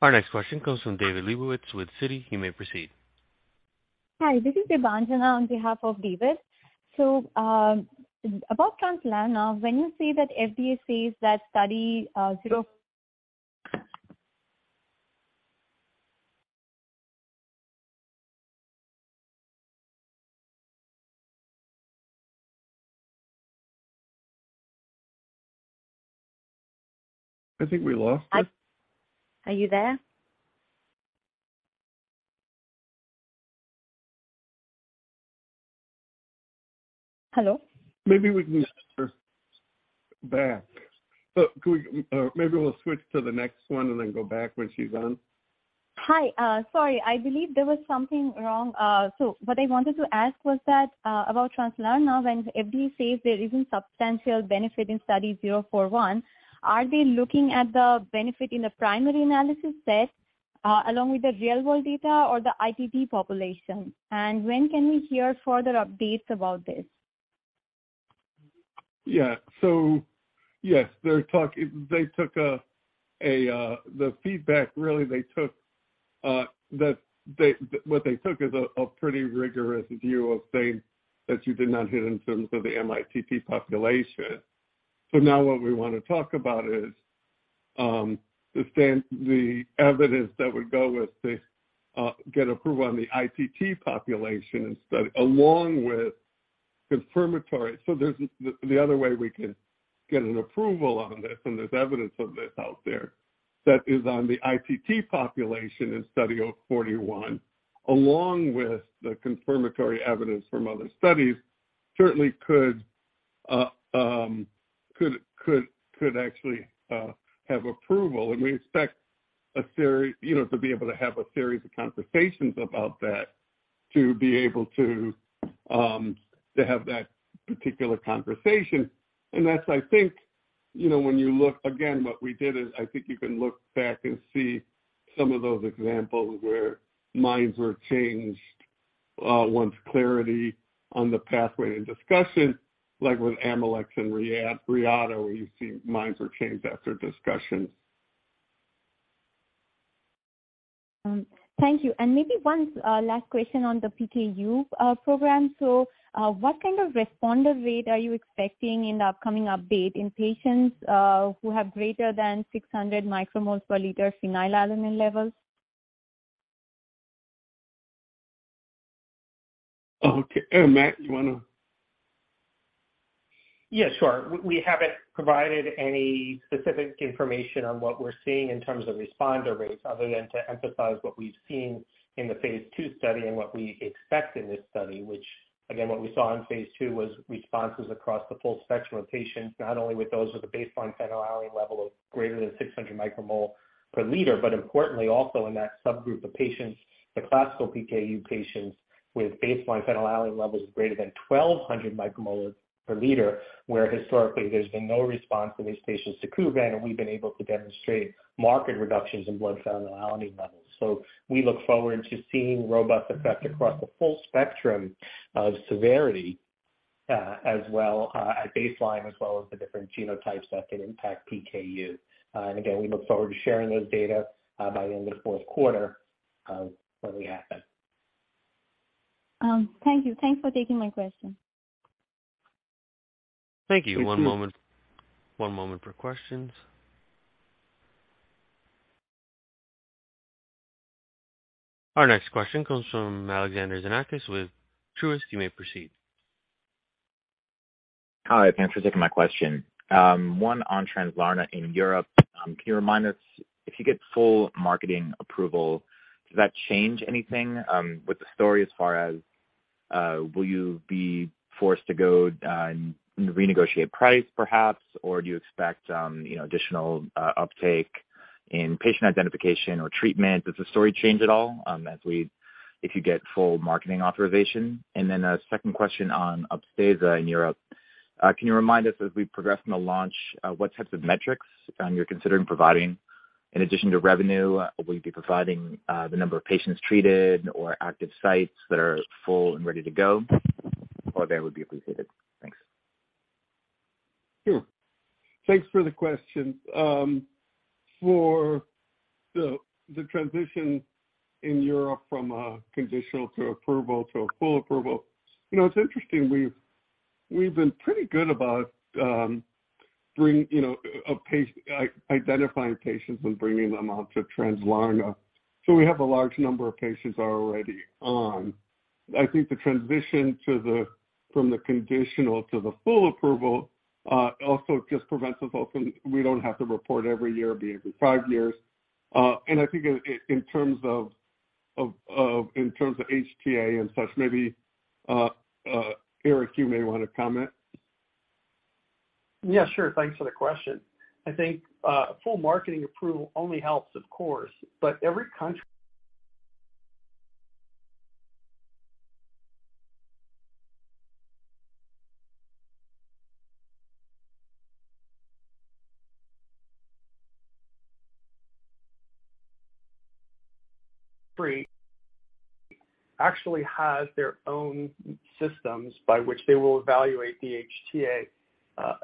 Our next question comes from David Lebowitz with Citi. You may proceed. Hi. This is Debanjana on behalf of David. About Translarna. When you say that FDA says that study, zero-- I think we lost her. Are you there? Hello? Maybe we can get her back. Maybe we'll switch to the next one and then go back when she's on. Hi. Sorry. I believe there was something wrong. What I wanted to ask was that, about Translarna. When FDA says there isn't substantial benefit in study 041, are they looking at the benefit in the primary analysis set, along with the real world data or the ITT population? And when can we hear further updates about this? Yeah. Yes, they took the feedback really that what they took is a pretty rigorous view of saying that you did not hit in terms of the mITT population. Now what we want to talk about is the evidence that would go with to get approval on the ITT population study along with confirmatory. There's the other way we can get approval on this, and there's evidence of this out there, that is on the ITT population in study 041, along with the confirmatory evidence from other studies certainly could actually have approval. We expect you know to be able to have a series of conversations about that to be able to have that particular conversation. That's, I think, you know, when you look again, what we did is I think you can look back and see some of those examples where minds were changed once clarity on the pathway to discussion, like with Amylyx and Reata, where you see minds were changed after discussion. Thank you. Maybe one last question on the PKU program. What kind of responder rate are you expecting in the upcoming update in patients who have greater than 600 micromoles per liter phenylalanine levels? Okay. Matt, do you wanna? Yeah, sure. We haven't provided any specific information on what we're seeing in terms of responder rates other than to emphasize what we've seen in the phase II study and what we expect in this study, which again, what we saw in phase II was responses across the full spectrum of patients, not only with those with a baseline phenylalanine level of greater than 600 micromole per liter, but importantly also in that subgroup of patients, the classical PKU patients with baseline phenylalanine levels greater than 1200 micromoles per liter, where historically there's been no response in these patients to Kuvan, and we've been able to demonstrate marked reductions in blood phenylalanine levels. We look forward to seeing robust effects across the full spectrum of severity, as well, at baseline, as well as the different genotypes that can impact PKU. Again, we look forward to sharing those data by the end of fourth quarter, when we have them. Thank you. Thanks for taking my question. Thank you. One moment for questions. Our next question comes from Alexander Xenakis with Truist. You may proceed. Hi, thanks for taking my question. One on Translarna in Europe. Can you remind us if you get full marketing approval, does that change anything with the story as far as, will you be forced to go and renegotiate price perhaps, or do you expect, you know, additional uptake in patient identification or treatment? Does the story change at all, if you get full marketing authorization? Then a second question on Upstaza in Europe. Can you remind us as we progress from the launch, what types of metrics you're considering providing in addition to revenue? Will you be providing the number of patients treated or active sites that are full and ready to go? All that would be appreciated. Thanks. Sure. Thanks for the question. For the transition in Europe from a conditional approval to a full approval. You know, it's interesting. We've been pretty good about, you know, identifying patients and bringing them on to Translarna. So we have a large number of patients already on. I think the transition from the conditional approval to the full approval also just prevents us all from having to report every year for five years. I think in terms of HTA and such, maybe Eric, you may want to comment. Yeah, sure. Thanks for the question. I think full marketing approval only helps of course, but every country [AUDIO DISTORTION] actually has their own systems by which they will evaluate the HTA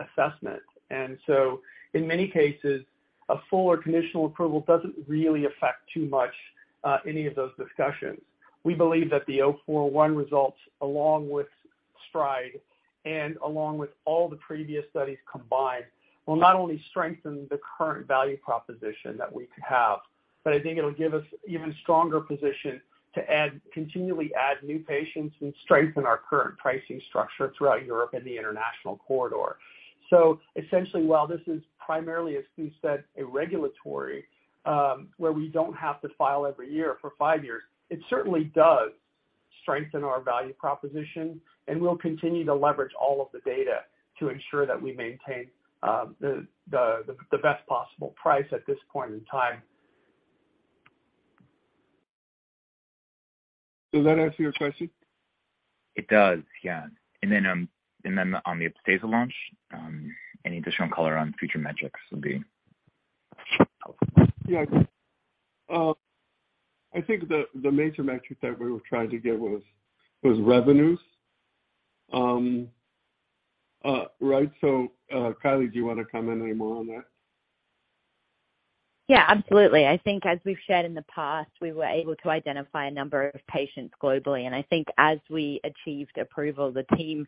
assessment. In many cases a full or conditional approval doesn't really affect too much any of those discussions. We believe that the 041 results along with STRIDE and along with all the previous studies combined, will not only strengthen the current value proposition that we have, but I think it'll give us even stronger position to continually add new patients and strengthen our current pricing structure throughout Europe and the international corridor. Essentially, while this is primarily, as Stu said, a regulatory where we don't have to file every year for five years, it certainly does strengthen our value proposition, and we'll continue to leverage all of the data to ensure that we maintain the best possible price at this point in time. Does that answer your question? It does, yeah. On the Upstaza launch, any additional color on future metrics would be helpful. Yeah. I think the major metric that we were trying to get was revenues. Right. Kylie, do you wanna comment any more on that? Yeah, absolutely. I think as we've shared in the past, we were able to identify a number of patients globally, and I think as we achieved approval, the team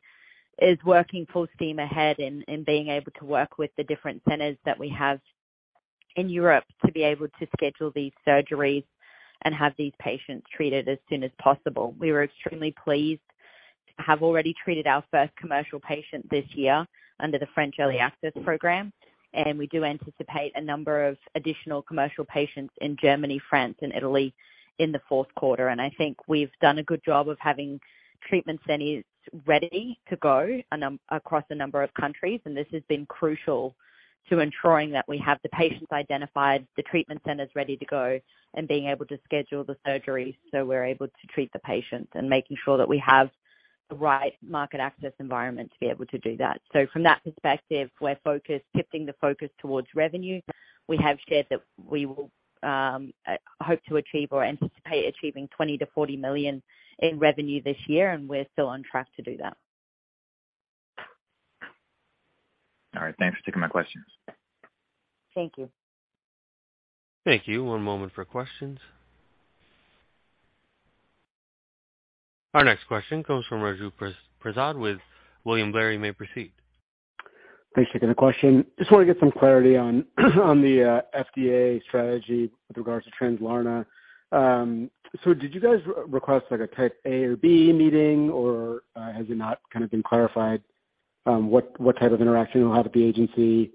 is working full steam ahead in being able to work with the different centers that we have in Europe to be able to schedule these surgeries and have these patients treated as soon as possible. We were extremely pleased to have already treated our first commercial patient this year under the French Early Access Program, and we do anticipate a number of additional commercial patients in Germany, France and Italy in the fourth quarter. I think we've done a good job of having treatment centers ready to go across a number of countries, and this has been crucial to ensuring that we have the patients identified, the treatment centers ready to go, and being able to schedule the surgeries so we're able to treat the patients, and making sure that we have the right market access environment to be able to do that. From that perspective, we're focused, shifting the focus towards revenue. We have shared that we will hope to achieve or anticipate achieving $20 million-$40 million in revenue this year, and we're still on track to do that. All right. Thanks for taking my questions. Thank you. Thank you. One moment for questions. Our next question comes from Raju Prasad with William Blair. You may proceed. Thanks for taking the question. Just want to get some clarity on the FDA strategy with regards to Translarna. So did you guys re-request like a Type A or B meeting, or has it not kind of been clarified what type of interaction you'll have at the agency?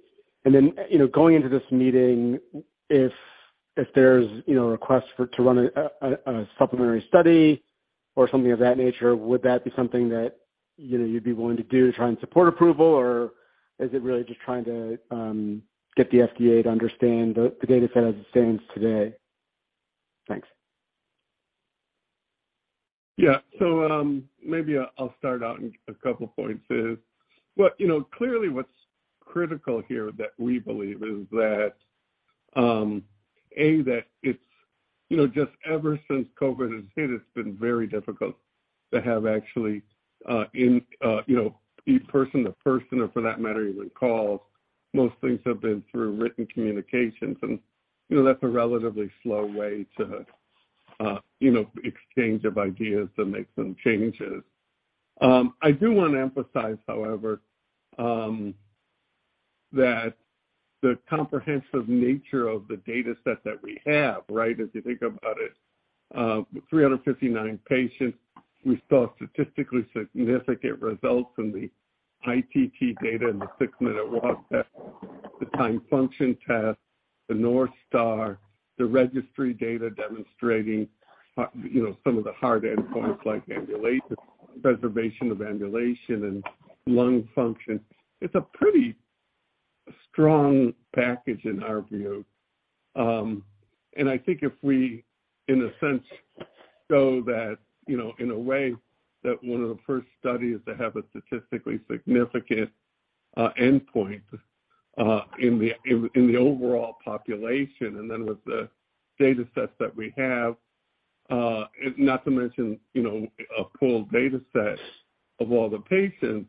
Then, you know, going into this meeting, if there's a request to run a supplementary study or something of that nature, would that be something that, you know, you'd be willing to do to try and support approval, or is it really just trying to get the FDA to understand the data set as it stands today? Thanks. Yeah. Maybe I'll start out in a couple points. You know, clearly what's critical here that we believe is that A, that it's you know just ever since COVID has hit, it's been very difficult to have actually in person to person or for that matter even calls. Most things have been through written communications. You know, that's a relatively slow way to exchange of ideas and make some changes. I do want to emphasize however that the comprehensive nature of the data set that we have, right. If you think about it, 359 patients, we saw statistically significant results in the ITT data in the six-minute walk test, the timed function tests, the North Star, the registry data demonstrating, you know, some of the hard endpoints like ambulation, preservation of ambulation and lung function. It's a pretty strong package in our view. I think if we in a sense show that, you know, in a way that one of the first studies to have a statistically significant endpoint in the overall population, and then with the data sets that we have, not to mention, you know, a pooled data set of all the patients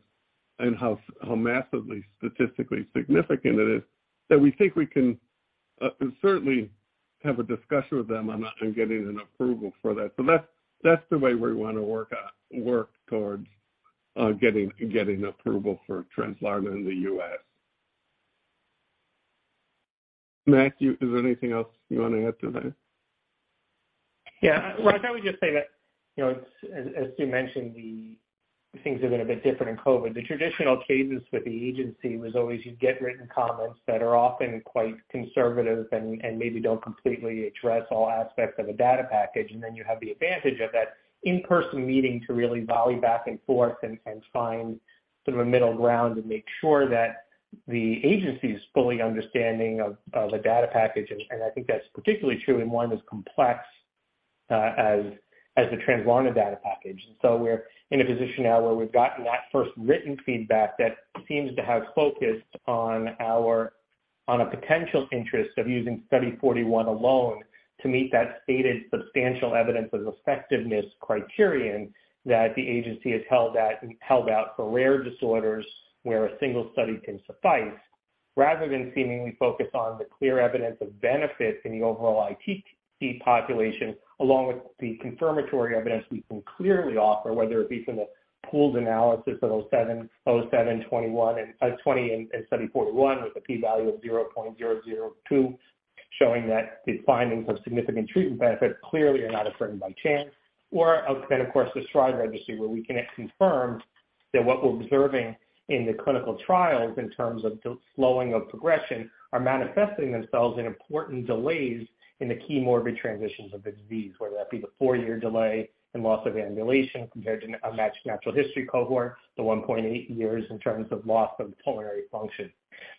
and how massively statistically significant it is that we think we can certainly have a discussion with them on getting an approval for that. That's the way we want to work towards getting approval for Translarna in the U.S. Matthew, is there anything else you want to add to that? Yeah. Well, I would just say that, you know, as Stu mentioned, the things have been a bit different in COVID. The traditional cadence with the agency was always you get written comments that are often quite conservative and maybe don't completely address all aspects of a data package. Then you have the advantage of that in-person meeting to really volley back and forth and find sort of a middle ground and make sure that the agency is fully understanding of the data package. I think that's particularly true in one as complex as the Translarna data package. We're in a position now where we've gotten that first written feedback that seems to have focused on a potential interest of using study 41 alone to meet that stated substantial evidence of effectiveness criterion that the agency has held out for rare disorders where a single study can suffice, rather than seemingly focus on the clear evidence of benefit in the overall ITT population, along with the confirmatory evidence we can clearly offer, whether it be from the pooled analysis of 07-21 and 20 and study 41 with a p-value of 0.002, showing that the findings of significant treatment benefit clearly are not occurring by chance. Of course the STRIDE registry where we can confirm that what we're observing in the clinical trials in terms of the slowing of progression are manifesting themselves in important delays in the key morbid transitions of the disease, whether that be the four-year delay and loss of ambulation compared to a matched natural history cohort, the 1.8 years in terms of loss of pulmonary function.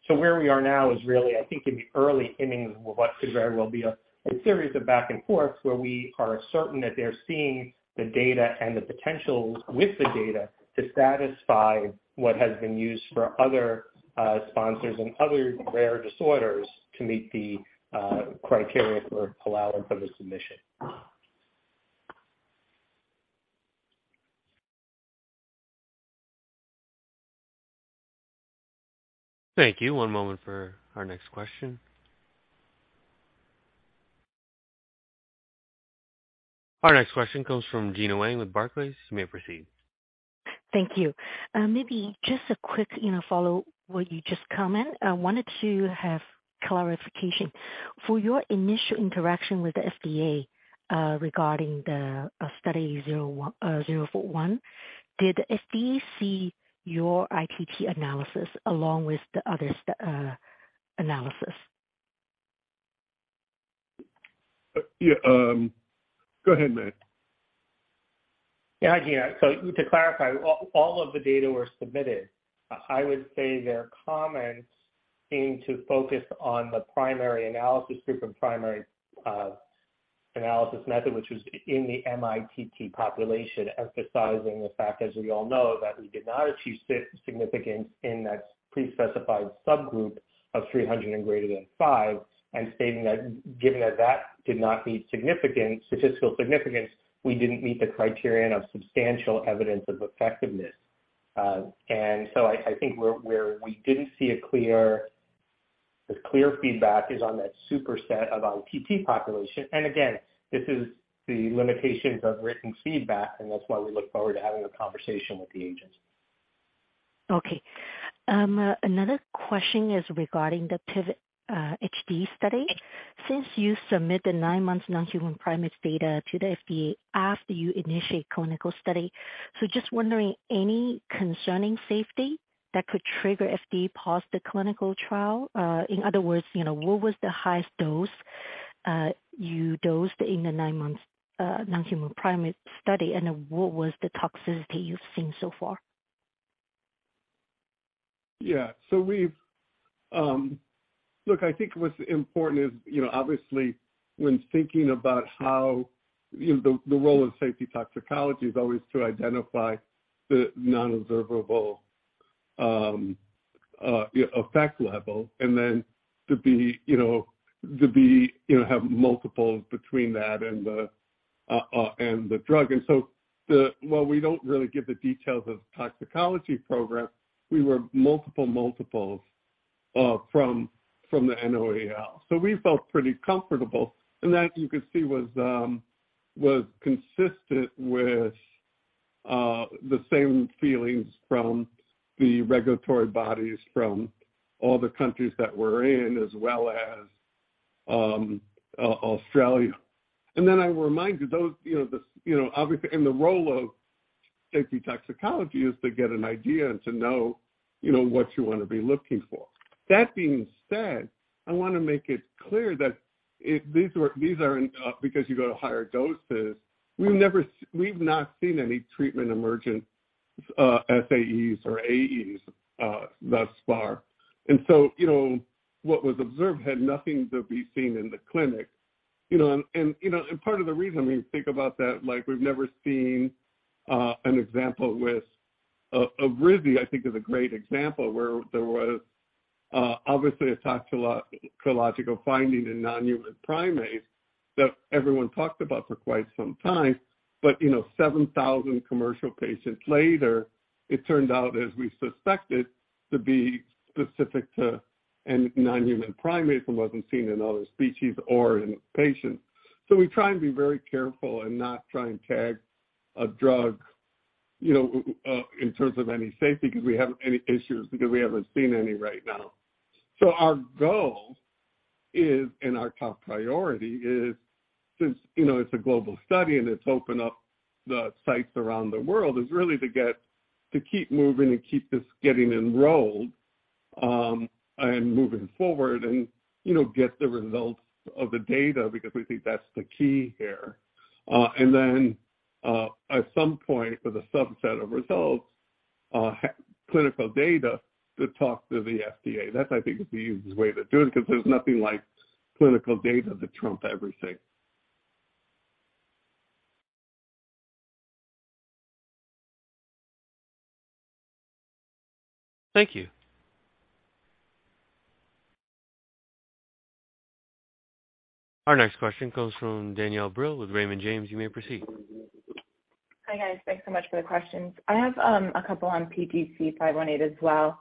Where we are now is really, I think, in the early innings of what could very well be a series of back and forths where we are certain that they're seeing the data and the potential with the data to satisfy what has been used for other sponsors and other rare disorders to meet the criteria for allowance of a submission. Thank you. One moment for our next question. Our next question comes from Gena Wang with Barclays. You may proceed. Thank you. Maybe just a quick, you know, follow what you just comment. I wanted to have clarification. For your initial interaction with the FDA, regarding the study 041, did the FDA see your ITT analysis along with the other analysis? Yeah, go ahead, Matt. Yeah. To clarify, all of the data were submitted. I would say their comments seemed to focus on the primary analysis group and primary analysis method, which was in the MITT population, emphasizing the fact, as we all know, that we did not achieve significance in that pre-specified subgroup of 300 and greater than five, and stating that given that that did not meet significance, statistical significance, we didn't meet the criterion of substantial evidence of effectiveness. I think where we didn't see clear feedback is on that superset of ITT population. Again, this is the limitations of written feedback, and that's why we look forward to having a conversation with the agency. Okay. Another question is regarding the PIVOT-HD study. Since you submit the nine-month non-human primate data to the FDA after you initiate clinical study. Just wondering, any concerning safety that could trigger FDA pause the clinical trial. In other words, you know, what was the highest dose you dosed in the nine months non-human primate study? And then what was the toxicity you've seen so far? Look, I think what's important is, you know, obviously when thinking about how, you know, the role of safety toxicology is always to identify the no-observed effect level and then to have multiples between that and the drug. While we don't really give the details of toxicology program, we were multiples from the NOAEL. We felt pretty comfortable. That you could see was consistent with the same feelings from the regulatory bodies from all the countries that we're in, as well as Australia. I'm reminded those, you know, obviously the role of safety toxicology is to get an idea and to know, you know, what you want to be looking for. That being said, I wanna make it clear that if these are in, because you go to higher doses, we've not seen any treatment emergent SAEs or AEs thus far. You know, what was observed had nothing to be seen in the clinic. You know, part of the reason we think about that, like we've never seen an example with Evrysdi, I think is a great example where there was obviously a toxicological finding in non-human primates that everyone talked about for quite some time. You know, 7,000 commercial patients later, it turned out, as we suspected, to be specific to a non-human primate and wasn't seen in other species or in patients. We try and be very careful and not try and tag a drug, you know, in terms of any safety, 'cause we have any issues because we haven't seen any right now. Our goal is, and our top priority is since, you know, it's a global study and it's opened up the sites around the world, is really to keep moving and keep this getting enrolled, and moving forward and, you know, get the results of the data because we think that's the key here. At some point with a subset of results, clinical data to talk to the FDA, that I think is the easiest way to do it, 'cause there's nothing like clinical data to trump everything. Thank you. Our next question comes from Danielle Brill with Raymond James. You may proceed. Hi, guys. Thanks so much for the questions. I have a couple on PTC518 as well.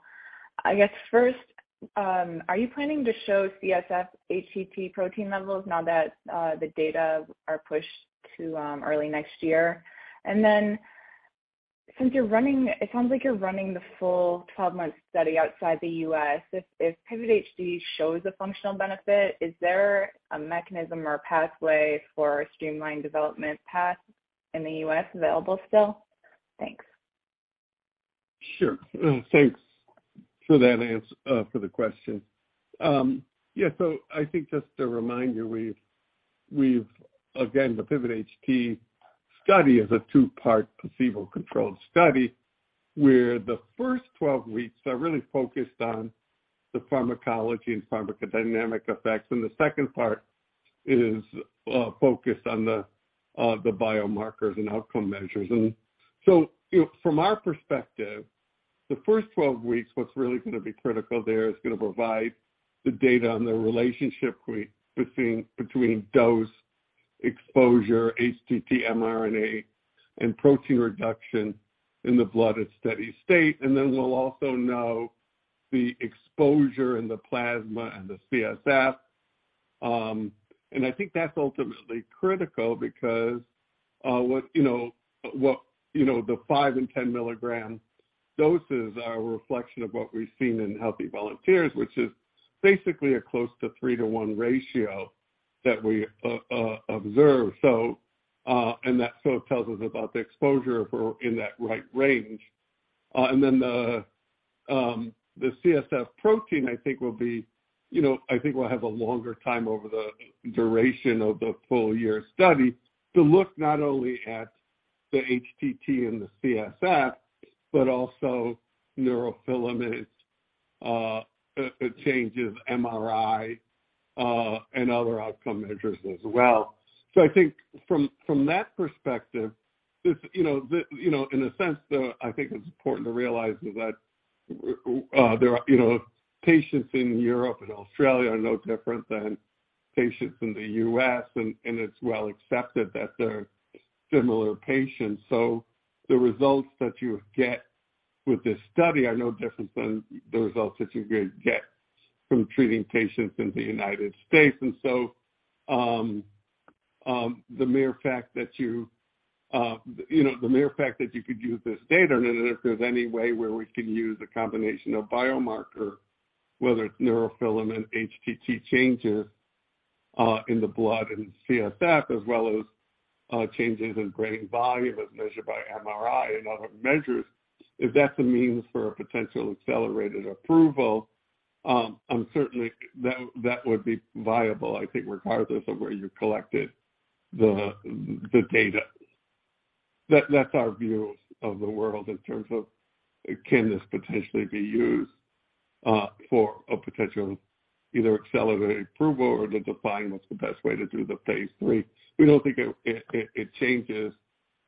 I guess first, are you planning to show CSF HTT protein levels now that the data are pushed to early next year? Since it sounds like you're running the full 12-month study outside the U.S. If PIVOT-HD shows a functional benefit, is there a mechanism or pathway for streamlined development path in the U.S. available still? Thanks. Sure. Thanks for that question. Yeah, so I think just to remind you, we've again, the PIVOT-HD study is a two-part placebo-controlled study, where the first 12 weeks are really focused on the pharmacokinetics and pharmacodynamic effects, and the second part is focused on the biomarkers and outcome measures. You know, from our perspective, the first 12 weeks, what's really gonna be critical there is gonna provide the data on the relationship between dose exposure HTT mRNA and protein reduction in the blood at steady state. We'll also know the exposure in the plasma and the CSF. I think that's ultimately critical because, you know, the 5 and 10 milligram doses are a reflection of what we've seen in healthy volunteers, which is basically a close to 3:1 ratio that we observe. That sort of tells us about the exposure if we're in that right range. The CSF protein, I think will be, you know, I think we'll have a longer time over the duration of the full year study to look not only at the HTT and the CSF, but also neurofilaments changes, MRI, and other outcome measures as well. I think from that perspective, you know, you know, in a sense, though, I think it's important to realize is that there are, you know, patients in Europe and Australia are no different than patients in the U.S., and it's well accepted that they're similar patients. The results that you get with this study are no different than the results that you would get from treating patients in the United States. The mere fact that you know you could use this data, and then if there's any way where we can use a combination of biomarker, whether it's neurofilament, HTT changes in the blood and CSF, as well as changes in brain volume as measured by MRI and other measures, if that's a means for a potential accelerated approval, that would be viable, I think, regardless of where you collected the data. That's our view of the world in terms of can this potentially be used for a potential either accelerated approval or to define what's the best way to do the phase III. We don't think it changes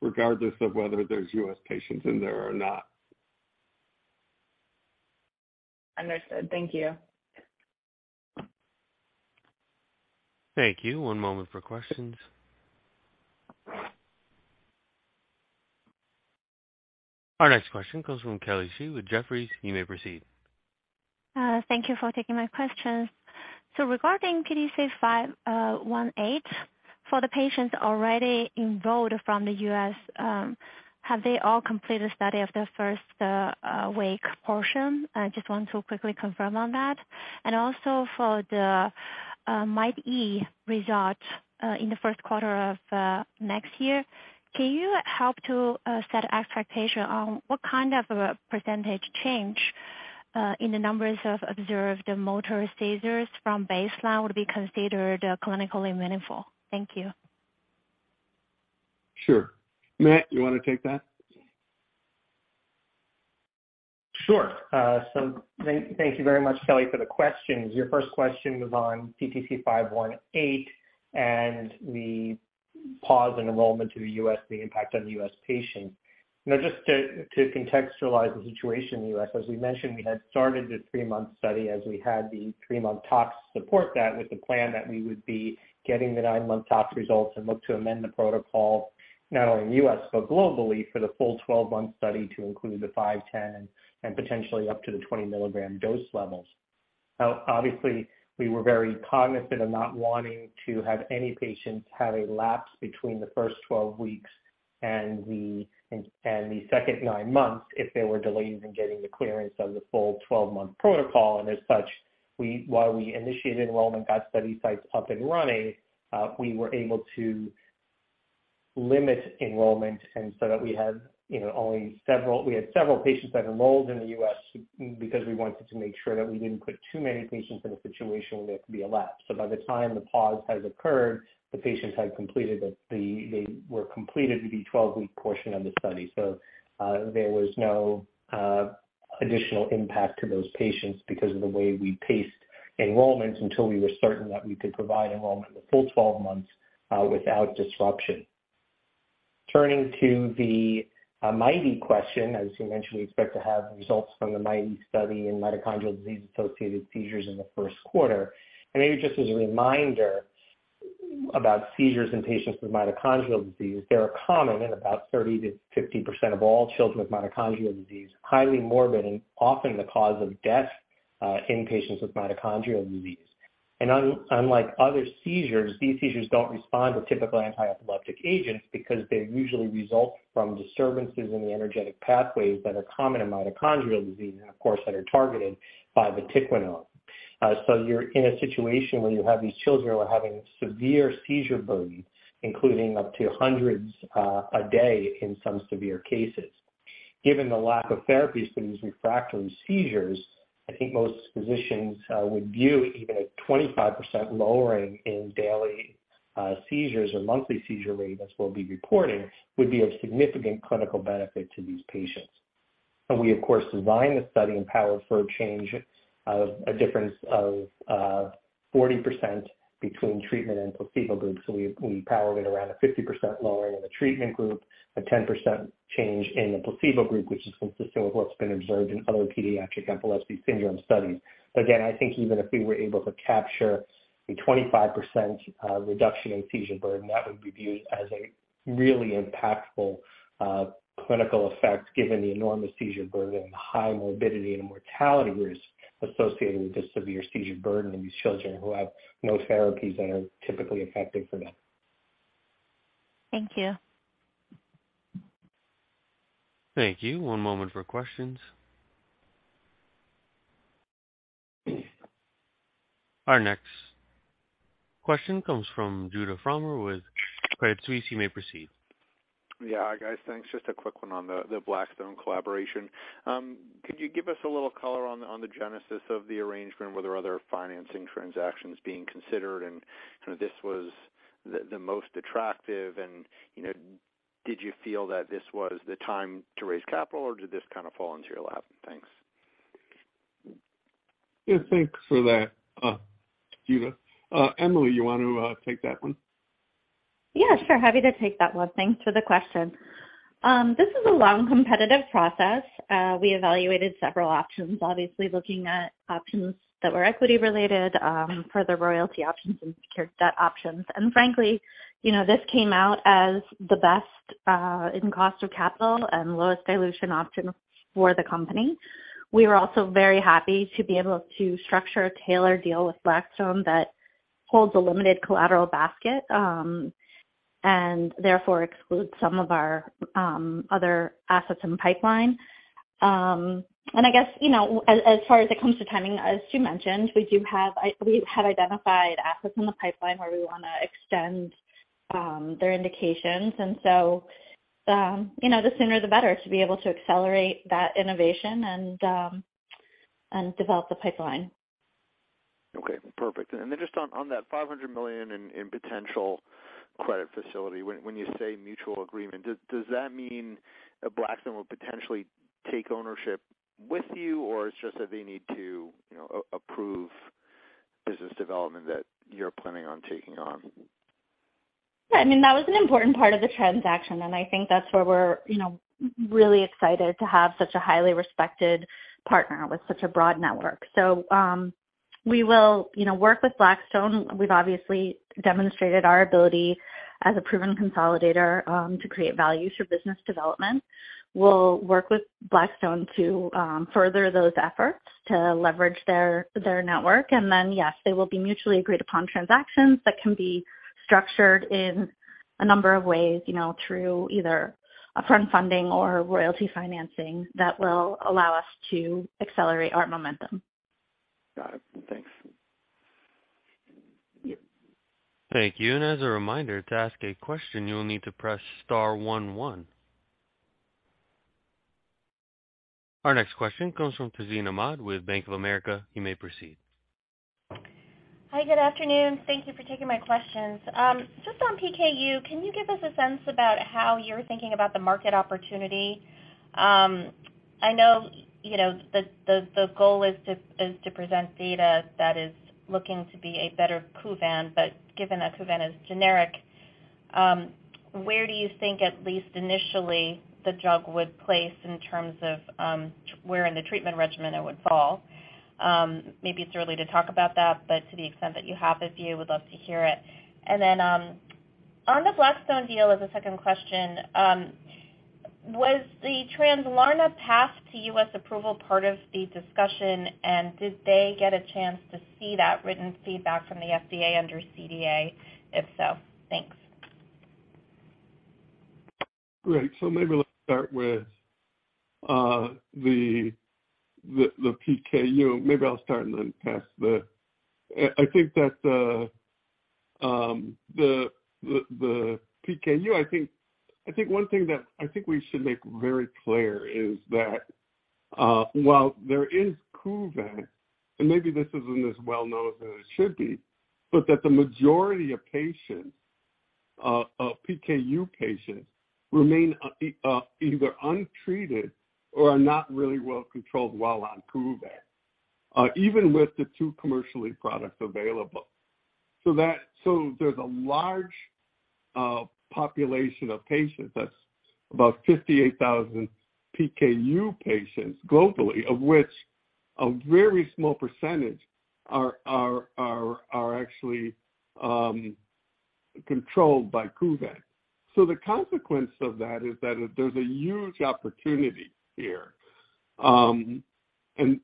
regardless of whether there's U.S. patients in there or not. Understood. Thank you. Thank you. One moment for questions. Our next question comes from Kelly Zou with Jefferies. You may proceed. Thank you for taking my questions. Regarding PTC518, for the patients already enrolled from the U.S., have they all completed study of their first week portion? I just want to quickly confirm on that. For the MIT-E result in the first quarter of next year, can you help to set expectation on what kind of a percentage change in the numbers of observed motor seizures from baseline would be considered clinically meaningful? Thank you. Sure. Matt, you wanna take that? Sure. Thank you very much, Kelly, for the questions. Your first question was on PTC518, and the pause in enrollment to the U.S., the impact on U.S. patients. Now, just to contextualize the situation in the U.S., as we mentioned, we had started the three-month study as we had the three-month tox support that with the plan that we would be getting the nine-month tox results and look to amend the protocol not only in U.S. but globally for the full 12-month study to include the 5, 10 and potentially up to the 20 milligram dose levels. Now, obviously, we were very cognizant of not wanting to have any patients have a lapse between the first 12 weeks and the second nine months if there were delays in getting the clearance of the full 12-month protocol. As such, we, while we initiated enrollment, got study sites up and running, we were able to limit enrollment and so that we had, you know, we had several patients that enrolled in the U.S. because we wanted to make sure that we didn't put too many patients in a situation where there could be a lapse. By the time the pause has occurred, the patients had completed the, they were completed with the 12-week portion of the study. There was no additional impact to those patients because of the way we paced enrollment until we were certain that we could provide enrollment the full 12 months without disruption. Turning to the MIT-E question, as you mentioned, we expect to have results from the MIT-E study in mitochondrial disease-associated seizures in the first quarter. Maybe just as a reminder about seizures in patients with mitochondrial disease, they are common in about 30%-50% of all children with mitochondrial disease, highly morbid, and often the cause of death in patients with mitochondrial disease. Unlike other seizures, these seizures don't respond to typical anti-epileptic agents because they usually result from disturbances in the energetic pathways that are common in mitochondrial disease, and of course, that are targeted by vatiquinone. So you're in a situation where you have these children who are having severe seizure burden, including up to hundreds a day in some severe cases. Given the lack of therapies for these refractory seizures, I think most physicians would view even a 25% lowering in daily seizures or monthly seizure rate, as we'll be reporting, would be of significant clinical benefit to these patients. We of course designed the study and powered for a change of a difference of 40% between treatment and placebo groups. We powered it around a 50% lowering in the treatment group, a 10% change in the placebo group, which is consistent with what's been observed in other pediatric epilepsy syndrome studies. Again, I think even if we were able to capture a 25% reduction in seizure burden, that would be viewed as a really impactful clinical effect given the enormous seizure burden, high morbidity and mortality risk associated with the severe seizure burden in these children who have no therapies that are typically effective for them. Thank you. Thank you. One moment for questions. Our next question comes from Judah Frommer with Credit Suisse. You may proceed. Yeah. Hi, guys. Thanks. Just a quick one on the Blackstone collaboration. Could you give us a little color on the genesis of the arrangement? Were there other financing transactions being considered and kind of this was the most attractive? You know, did you feel that this was the time to raise capital or did this kind of fall into your lap? Thanks. Yeah, thanks for that, Judah. Emily, you want to take that one? Yeah, sure. Happy to take that one. Thanks for the question. This is a long competitive process. We evaluated several options, obviously looking at options that were equity related, further royalty options and secured debt options. Frankly, you know, this came out as the best, in cost of capital and lowest dilution option for the company. We were also very happy to be able to structure a tailored deal with Blackstone that holds a limited collateral basket, and therefore excludes some of our, other assets in pipeline. I guess, you know, as far as it comes to timing, as Stu mentioned, we have identified assets in the pipeline where we wanna extend their indications. You know, the sooner the better to be able to accelerate that innovation and develop the pipeline. Okay. Perfect. Just on that $500 million in potential credit facility, when you say mutual agreement, does that mean that Blackstone will potentially take ownership with you or it's just that they need to, you know, approve business development that you're planning on taking on? Yeah, I mean that was an important part of the transaction and I think that's where we're, you know, really excited to have such a highly respected partner with such a broad network. We will, you know, work with Blackstone. We've obviously demonstrated our ability as a proven consolidator to create value through business development. We'll work with Blackstone to further those efforts to leverage their network. Then yes, they will be mutually agreed upon transactions that can be structured in a number of ways, you know, through either upfront funding or royalty financing that will allow us to accelerate our momentum. Got it. Thanks. Thank you. As a reminder, to ask a question you will need to press star one one. Our next question comes from Tazeen Ahmad with Bank of America. You may proceed. Hi, good afternoon. Thank you for taking my questions. Just on PKU, can you give us a sense about how you're thinking about the market opportunity? I know you know, the goal is to present data that is looking to be a better Kuvan but given that Kuvan is generic, where do you think at least initially the drug would place in terms of where in the treatment regimen it would fall? Maybe it's early to talk about that but to the extent that you have a view, would love to hear it. On the Blackstone deal as a second question, was the Translarna path to U.S. approval part of the discussion and did they get a chance to see that written feedback from the FDA under CDA? If so, thanks. Great. Maybe let's start with the PKU. Maybe I'll start and then pass. I think that the PKU. I think one thing that we should make very clear is that while there is Kuvan, and maybe this isn't as well known as it should be, but the majority of patients, PKU patients remain either untreated or are not really well controlled while on Kuvan, even with the two commercial products available. There's a large population of patients, that's about 58,000 PKU patients globally, of which a very small percentage are actually controlled by Kuvan. The consequence of that is that there's a huge opportunity here. The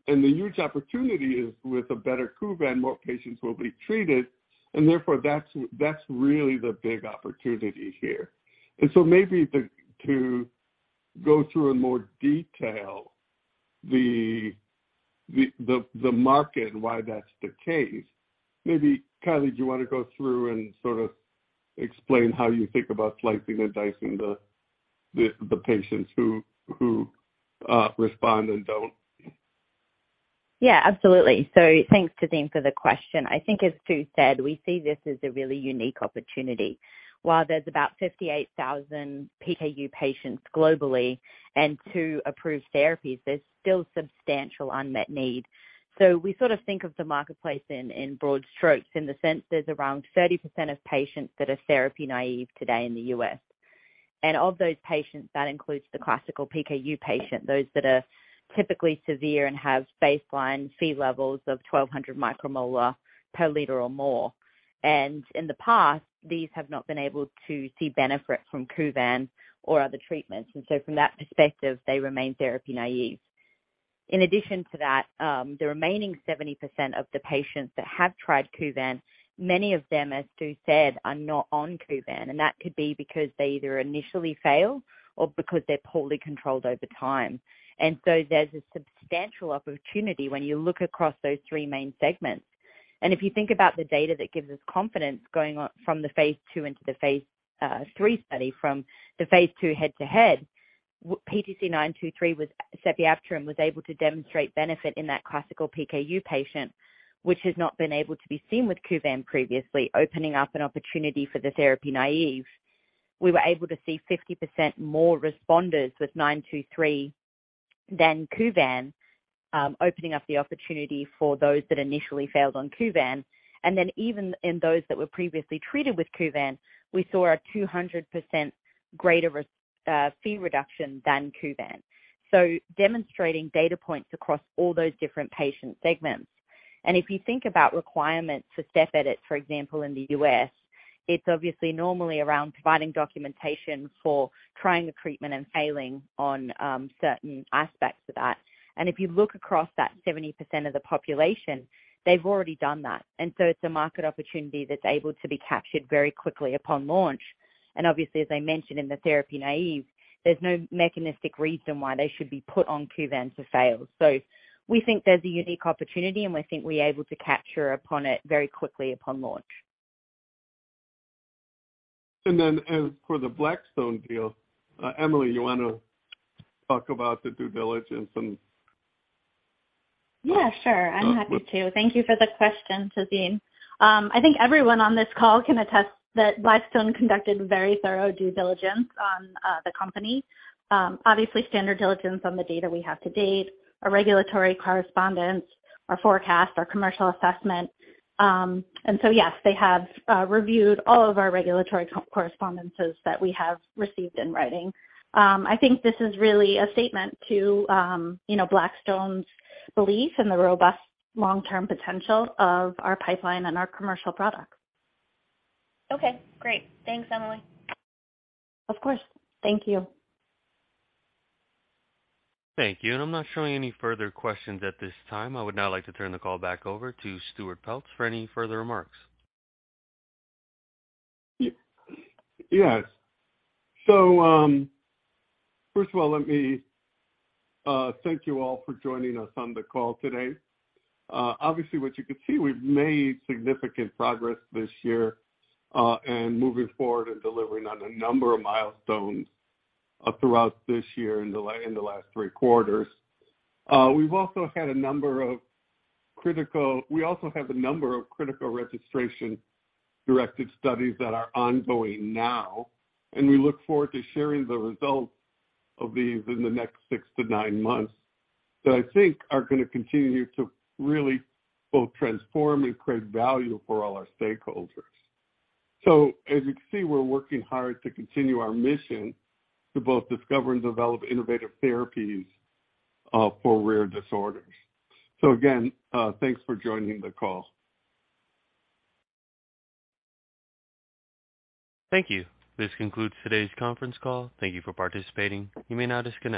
huge opportunity is with a better Kuvan, more patients will be treated and therefore that's really the big opportunity here. Maybe to go through in more detail the market and why that's the case, maybe Kylie do you wanna go through and sort of explain how you think about slicing and dicing the patients who respond and don't. Yeah, absolutely. Thanks, Tazeen, for the question. I think as Stuart said, we see this as a really unique opportunity. While there's about 58,000 PKU patients globally and two approved therapies, there's still substantial unmet need. We sort of think of the marketplace in broad strokes in the sense there's around 30% of patients that are therapy naive today in the U.S. Of those patients, that includes the classical PKU patient, those that are typically severe and have baseline Phe levels of 1,200 micromolar per liter or more. In the past, these have not been able to see benefit from Kuvan or other treatments. From that perspective, they remain therapy naive. In addition to that, the remaining 70% of the patients that have tried Kuvan, many of them, as Stuart said, are not on Kuvan. That could be because they either initially fail or because they're poorly controlled over time. There's a substantial opportunity when you look across those three main segments. If you think about the data that gives us confidence going on from the phase II into the phase III study from the phase II head-to-head, PTC923, sepiapterin, was able to demonstrate benefit in that classical PKU patient, which has not been able to be seen with Kuvan previously, opening up an opportunity for the therapy naive. We were able to see 50% more responders with 923 than Kuvan, opening up the opportunity for those that initially failed on Kuvan. Then even in those that were previously treated with Kuvan, we saw a 200% greater Phe reduction than Kuvan. Demonstrating data points across all those different patient segments. If you think about requirements for step edits, for example, in the U.S., it's obviously normally around providing documentation for trying a treatment and failing on certain aspects of that. If you look across that 70% of the population, they've already done that. It's a market opportunity that's able to be captured very quickly upon launch. Obviously, as I mentioned in the therapy-naive, there's no mechanistic reason why they should be put on Kuvan to fail. We think there's a unique opportunity, and we think we're able to capture upon it very quickly upon launch. As for the Blackstone deal, Emily, you wanna talk about the due diligence and-- Yeah, sure. I'm happy to. Thank you for the question, Tazeen. I think everyone on this call can attest that Blackstone conducted very thorough due diligence on the company. Obviously standard diligence on the data we have to date, our regulatory correspondence, our forecast, our commercial assessment. Yes, they have reviewed all of our regulatory correspondences that we have received in writing. I think this is really a testament to you know, Blackstone's belief in the robust long-term potential of our pipeline and our commercial products. Okay, great. Thanks, Emily. Of course. Thank you. Thank you. I'm not showing any further questions at this time. I would now like to turn the call back over to Stuart Peltz for any further remarks. Yes. First of all, let me thank you all for joining us on the call today. Obviously, what you can see, we've made significant progress this year and moving forward and delivering on a number of milestones throughout this year in the last three quarters. We also have a number of critical registration-directed studies that are ongoing now, and we look forward to sharing the results of these in the next six-nine months that I think are gonna continue to really both transform and create value for all our stakeholders. As you can see, we're working hard to continue our mission to both discover and develop innovative therapies for rare disorders. Again, thanks for joining the call. Thank you. This concludes today's conference call. Thank you for participating. You may now disconnect.